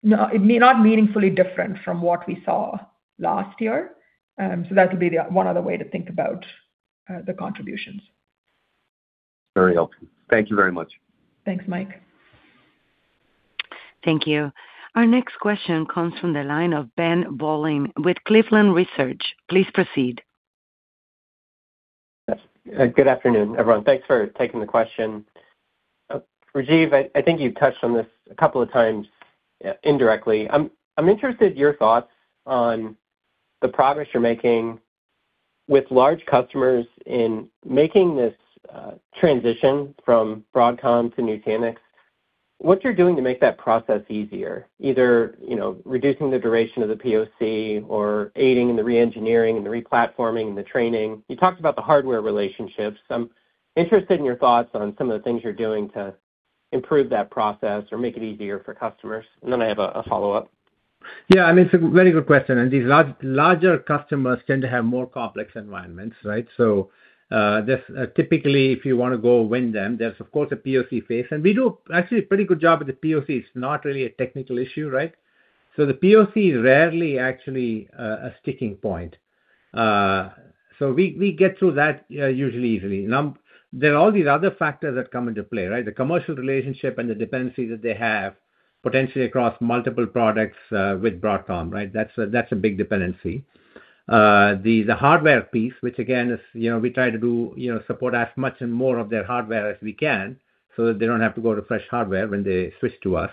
[SPEAKER 3] not meaningfully different from what we saw last year. That will be one other way to think about the contributions.
[SPEAKER 12] Very helpful. Thank you very much.
[SPEAKER 3] Thanks, Mike.
[SPEAKER 4] Thank you. Our next question comes from the line of Ben Bollin with Cleveland Research. Please proceed.
[SPEAKER 13] Good afternoon, everyone. Thanks for taking the question. Rajiv, I think you've touched on this a couple of times indirectly. I'm interested in your thoughts on the progress you're making with large customers in making this transition from Broadcom to Nutanix, what you're doing to make that process easier, either reducing the duration of the POC or aiding in the re-engineering and the re-platforming and the training. You talked about the hardware relationships. I'm interested in your thoughts on some of the things you're doing to improve that process or make it easier for customers. I have a follow-up.
[SPEAKER 2] Yeah. I mean, it's a very good question. These larger customers tend to have more complex environments, right? Typically, if you want to go win them, there's, of course, a POC phase. We do actually a pretty good job with the POC. It's not really a technical issue, right? The POC is rarely actually a sticking point. We get through that usually easily. There are all these other factors that come into play, right? The commercial relationship and the dependency that they have potentially across multiple products with Broadcom, right? That's a big dependency. The hardware piece, which again, we try to support as much and more of their hardware as we can so that they don't have to go refresh hardware when they switch to us.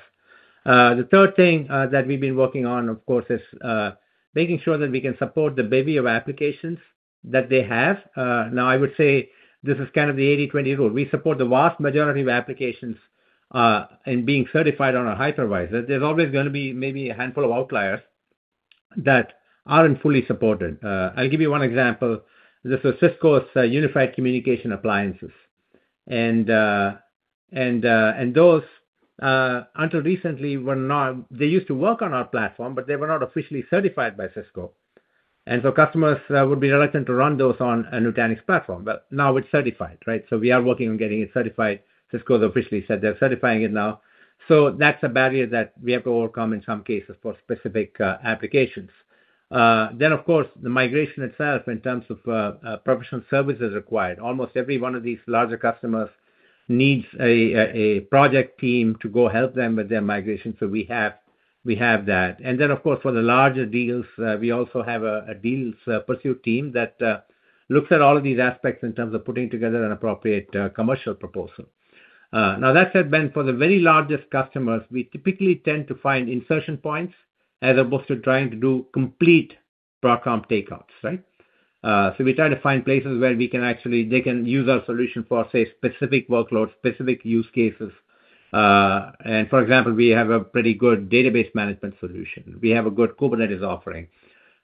[SPEAKER 2] The third thing that we've been working on, of course, is making sure that we can support the bevy of applications that they have. Now, I would say this is kind of the 80/20 rule. We support the vast majority of applications in being certified on our hypervisor. There's always going to be maybe a handful of outliers that aren't fully supported. I'll give you one example. This was Cisco's Unified Communication Appliances. Those, until recently, used to work on our platform, but they were not officially certified by Cisco. Customers would be reluctant to run those on a Nutanix platform. Now it's certified, right? We are working on getting it certified. Cisco has officially said they're certifying it now. That is a barrier that we have to overcome in some cases for specific applications. Of course, the migration itself in terms of professional services required. Almost every one of these larger customers needs a project team to go help them with their migration. We have that. For the larger deals, we also have a deals pursuit team that looks at all of these aspects in terms of putting together an appropriate commercial proposal. That said, Ben, for the very largest customers, we typically tend to find insertion points as opposed to trying to do complete Broadcom takeoffs, right? We try to find places where they can use our solution for, say, specific workloads, specific use cases. For example, we have a pretty good database management solution. We have a good Kubernetes offering.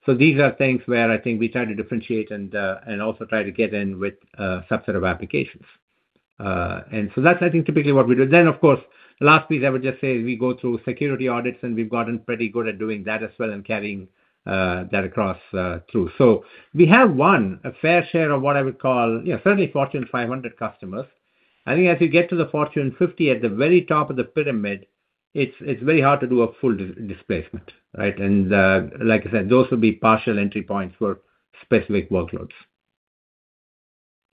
[SPEAKER 2] These are things where I think we try to differentiate and also try to get in with a subset of applications. That is, I think, typically what we do. Of course, the last piece I would just say is we go through security audits, and we've gotten pretty good at doing that as well and carrying that across through. We have won a fair share of what I would call certainly Fortune 500 customers. I think as you get to the Fortune 50, at the very top of the pyramid, it's very hard to do a full displacement, right? Like I said, those will be partial entry points for specific workloads.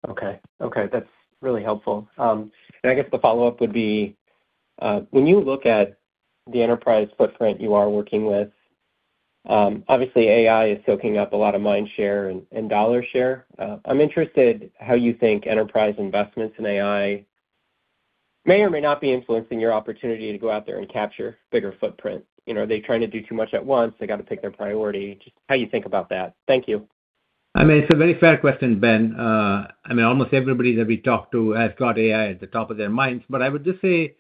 [SPEAKER 13] Okay. Okay. That's really helpful. I guess the follow-up would be, when you look at the enterprise footprint you are working with, obviously, AI is soaking up a lot of mind share and dollar share. I'm interested how you think enterprise investments in AI may or may not be influencing your opportunity to go out there and capture bigger footprint. Are they trying to do too much at once? They got to pick their priority. Just how you think about that? Thank you.
[SPEAKER 2] I mean, it's a very fair question, Ben. I mean, almost everybody that we talk to has got AI at the top of their minds. I would just say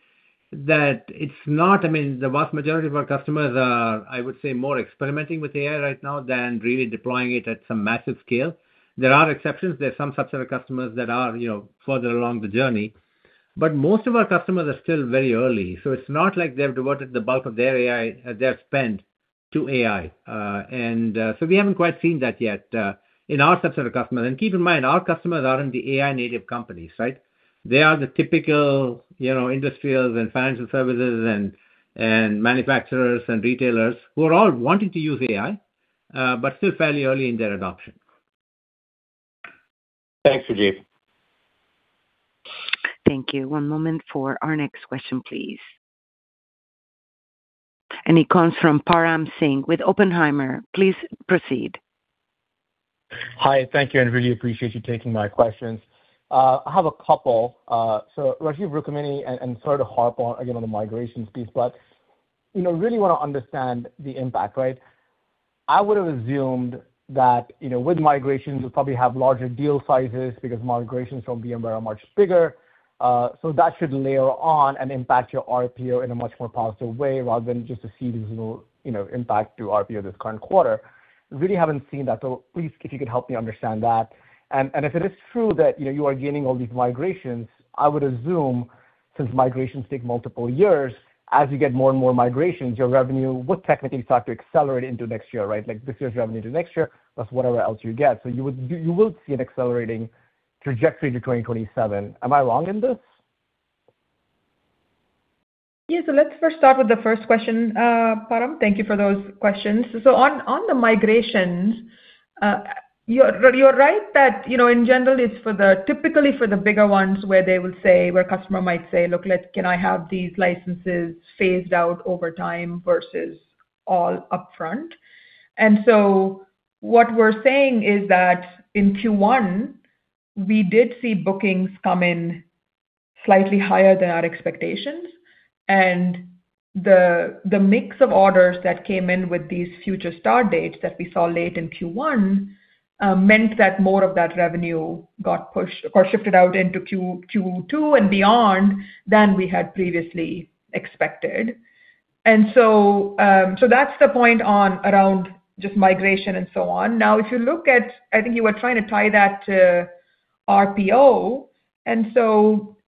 [SPEAKER 2] that it's not, I mean, the vast majority of our customers are, I would say, more experimenting with AI right now than really deploying it at some massive scale. There are exceptions. There are some subset of customers that are further along the journey. Most of our customers are still very early. It's not like they've devoted the bulk of their spend to AI. We haven't quite seen that yet in our subset of customers. Keep in mind, our customers aren't the AI-native companies, right? They are the typical industrials and financial services and manufacturers and retailers who are all wanting to use AI, but still fairly early in their adoption.
[SPEAKER 13] Thanks, Rajiv.
[SPEAKER 4] Thank you. One moment for our next question, please. It comes from Param Singh with Oppenheimer. Please proceed.
[SPEAKER 14] Hi. Thank you. I really appreciate you taking my questions. I have a couple. Rajiv, Rukmini, I sort of harp on, again, on the migration piece, but really want to understand the impact, right? I would have assumed that with migrations, you'll probably have larger deal sizes because migrations from VMware are much bigger. That should layer on and impact your RPO in a much more positive way rather than just a seasonal impact to RPO this current quarter. Really have not seen that. Please, if you could help me understand that. If it is true that you are gaining all these migrations, I would assume since migrations take multiple years, as you get more and more migrations, your revenue would technically start to accelerate into next year, right? Like this year's revenue to next year plus whatever else you get. You will see an accelerating trajectory to 2027. Am I wrong in this?
[SPEAKER 3] Yeah. Let's first start with the first question, Param. Thank you for those questions. On the migrations, you're right that in general, it's typically for the bigger ones where they will say, where a customer might say, "Look, can I have these licenses phased out over time versus all upfront?" What we're saying is that in Q1, we did see bookings come in slightly higher than our expectations. The mix of orders that came in with these future start dates that we saw late in Q1 meant that more of that revenue got pushed or shifted out into Q2 and beyond than we had previously expected. That's the point around just migration and so on. Now, if you look at, I think you were trying to tie that to RPO.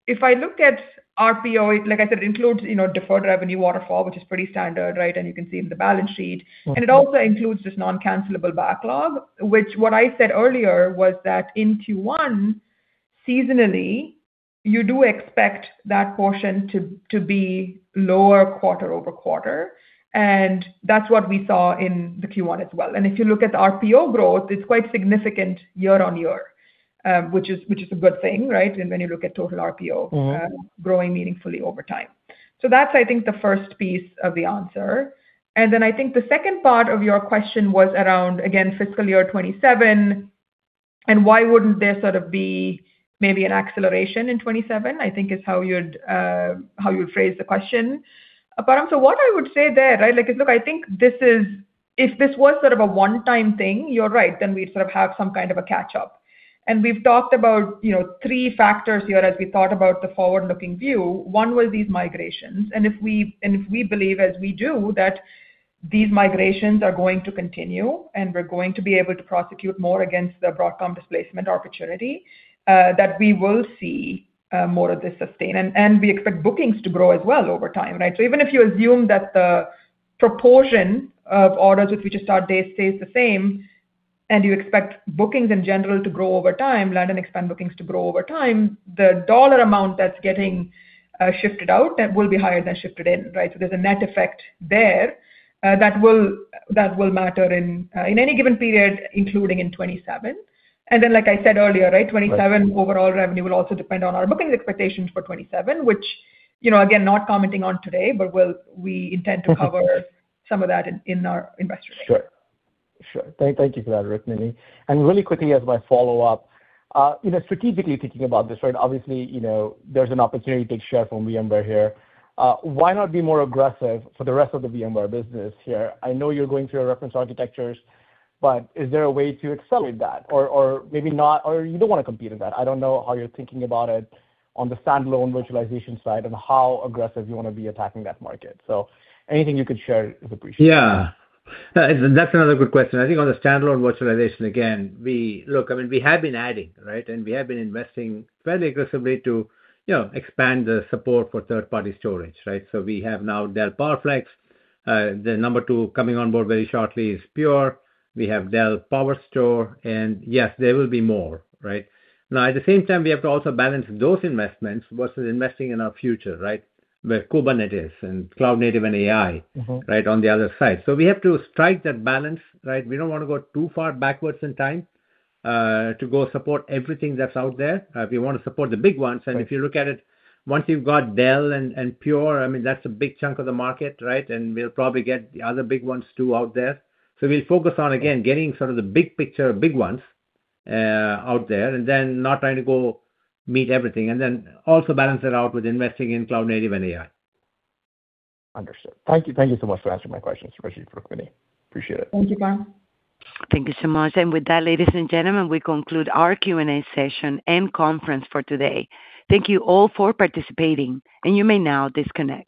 [SPEAKER 3] If I look at RPO, like I said, it includes deferred revenue waterfall, which is pretty standard, right? You can see it in the balance sheet. It also includes this non-cancelable backlog, which, what I said earlier was that in Q1, seasonally, you do expect that portion to be lower quarter-over-quarter. That is what we saw in Q1 as well. If you look at the RPO growth, it is quite significant year on year, which is a good thing, right? When you look at total RPO growing meaningfully over time, that is, I think, the first piece of the answer. I think the second part of your question was around, again, fiscal year 2027. Why would not there sort of be maybe an acceleration in 2027, I think, is how you had phrased the question, Param. What I would say there, right, look, I think this is if this was sort of a one-time thing, you're right, then we'd sort of have some kind of a catch-up. We've talked about three factors here as we thought about the forward-looking view. One was these migrations. If we believe, as we do, that these migrations are going to continue and we're going to be able to prosecute more against the Broadcom displacement opportunity, we will see more of this sustain. We expect bookings to grow as well over time, right? Even if you assume that the proportion of orders with future start dates stays the same, and you expect bookings in general to grow over time, land and expand bookings to grow over time, the dollar amount that's getting shifted out will be higher than shifted in, right? There is a net effect there that will matter in any given period, including in 2027. Like I said earlier, 2027 overall revenue will also depend on our booking expectations for 2027, which, again, not commenting on today, but we intend to cover some of that in our investor data.
[SPEAKER 14] Sure. Thank you for that, Rukmini. Really quickly, as my follow-up, strategically thinking about this, right? Obviously, there's an opportunity to take share from VMware here. Why not be more aggressive for the rest of the VMware business here? I know you're going through your reference architectures, but is there a way to accelerate that? Or maybe not, or you don't want to compete with that? I don't know how you're thinking about it on the stand-alone virtualization side and how aggressive you want to be attacking that market. Anything you could share is appreciated.
[SPEAKER 2] Yeah. That's another good question. I think on the standalone virtualization, again, look, I mean, we have been adding, right? And we have been investing fairly aggressively to expand the support for third-party storage, right? So we have now Dell PowerFlex. The number two coming on board very shortly is Pure. We have Dell PowerStore. Yes, there will be more, right? At the same time, we have to also balance those investments versus investing in our future, right? Where Kubernetes and cloud-native and AI, right, on the other side. We have to strike that balance, right? We do not want to go too far backwards in time to go support everything that's out there. We want to support the big ones. If you look at it, once you've got Dell and Pure, I mean, that's a big chunk of the market, right? We will probably get the other big ones too out there. We will focus on, again, getting sort of the big picture, big ones out there, and then not trying to go meet everything. We will also balance it out with investing in cloud-native and AI.
[SPEAKER 14] Understood. Thank you. Thank you so much for answering my questions, Rajiv, Rukmini. Appreciate it.
[SPEAKER 3] Thank you, Param.
[SPEAKER 4] Thank you so much. With that, ladies and gentlemen, we conclude our Q&A session and conference for today. Thank you all for participating. You may now disconnect.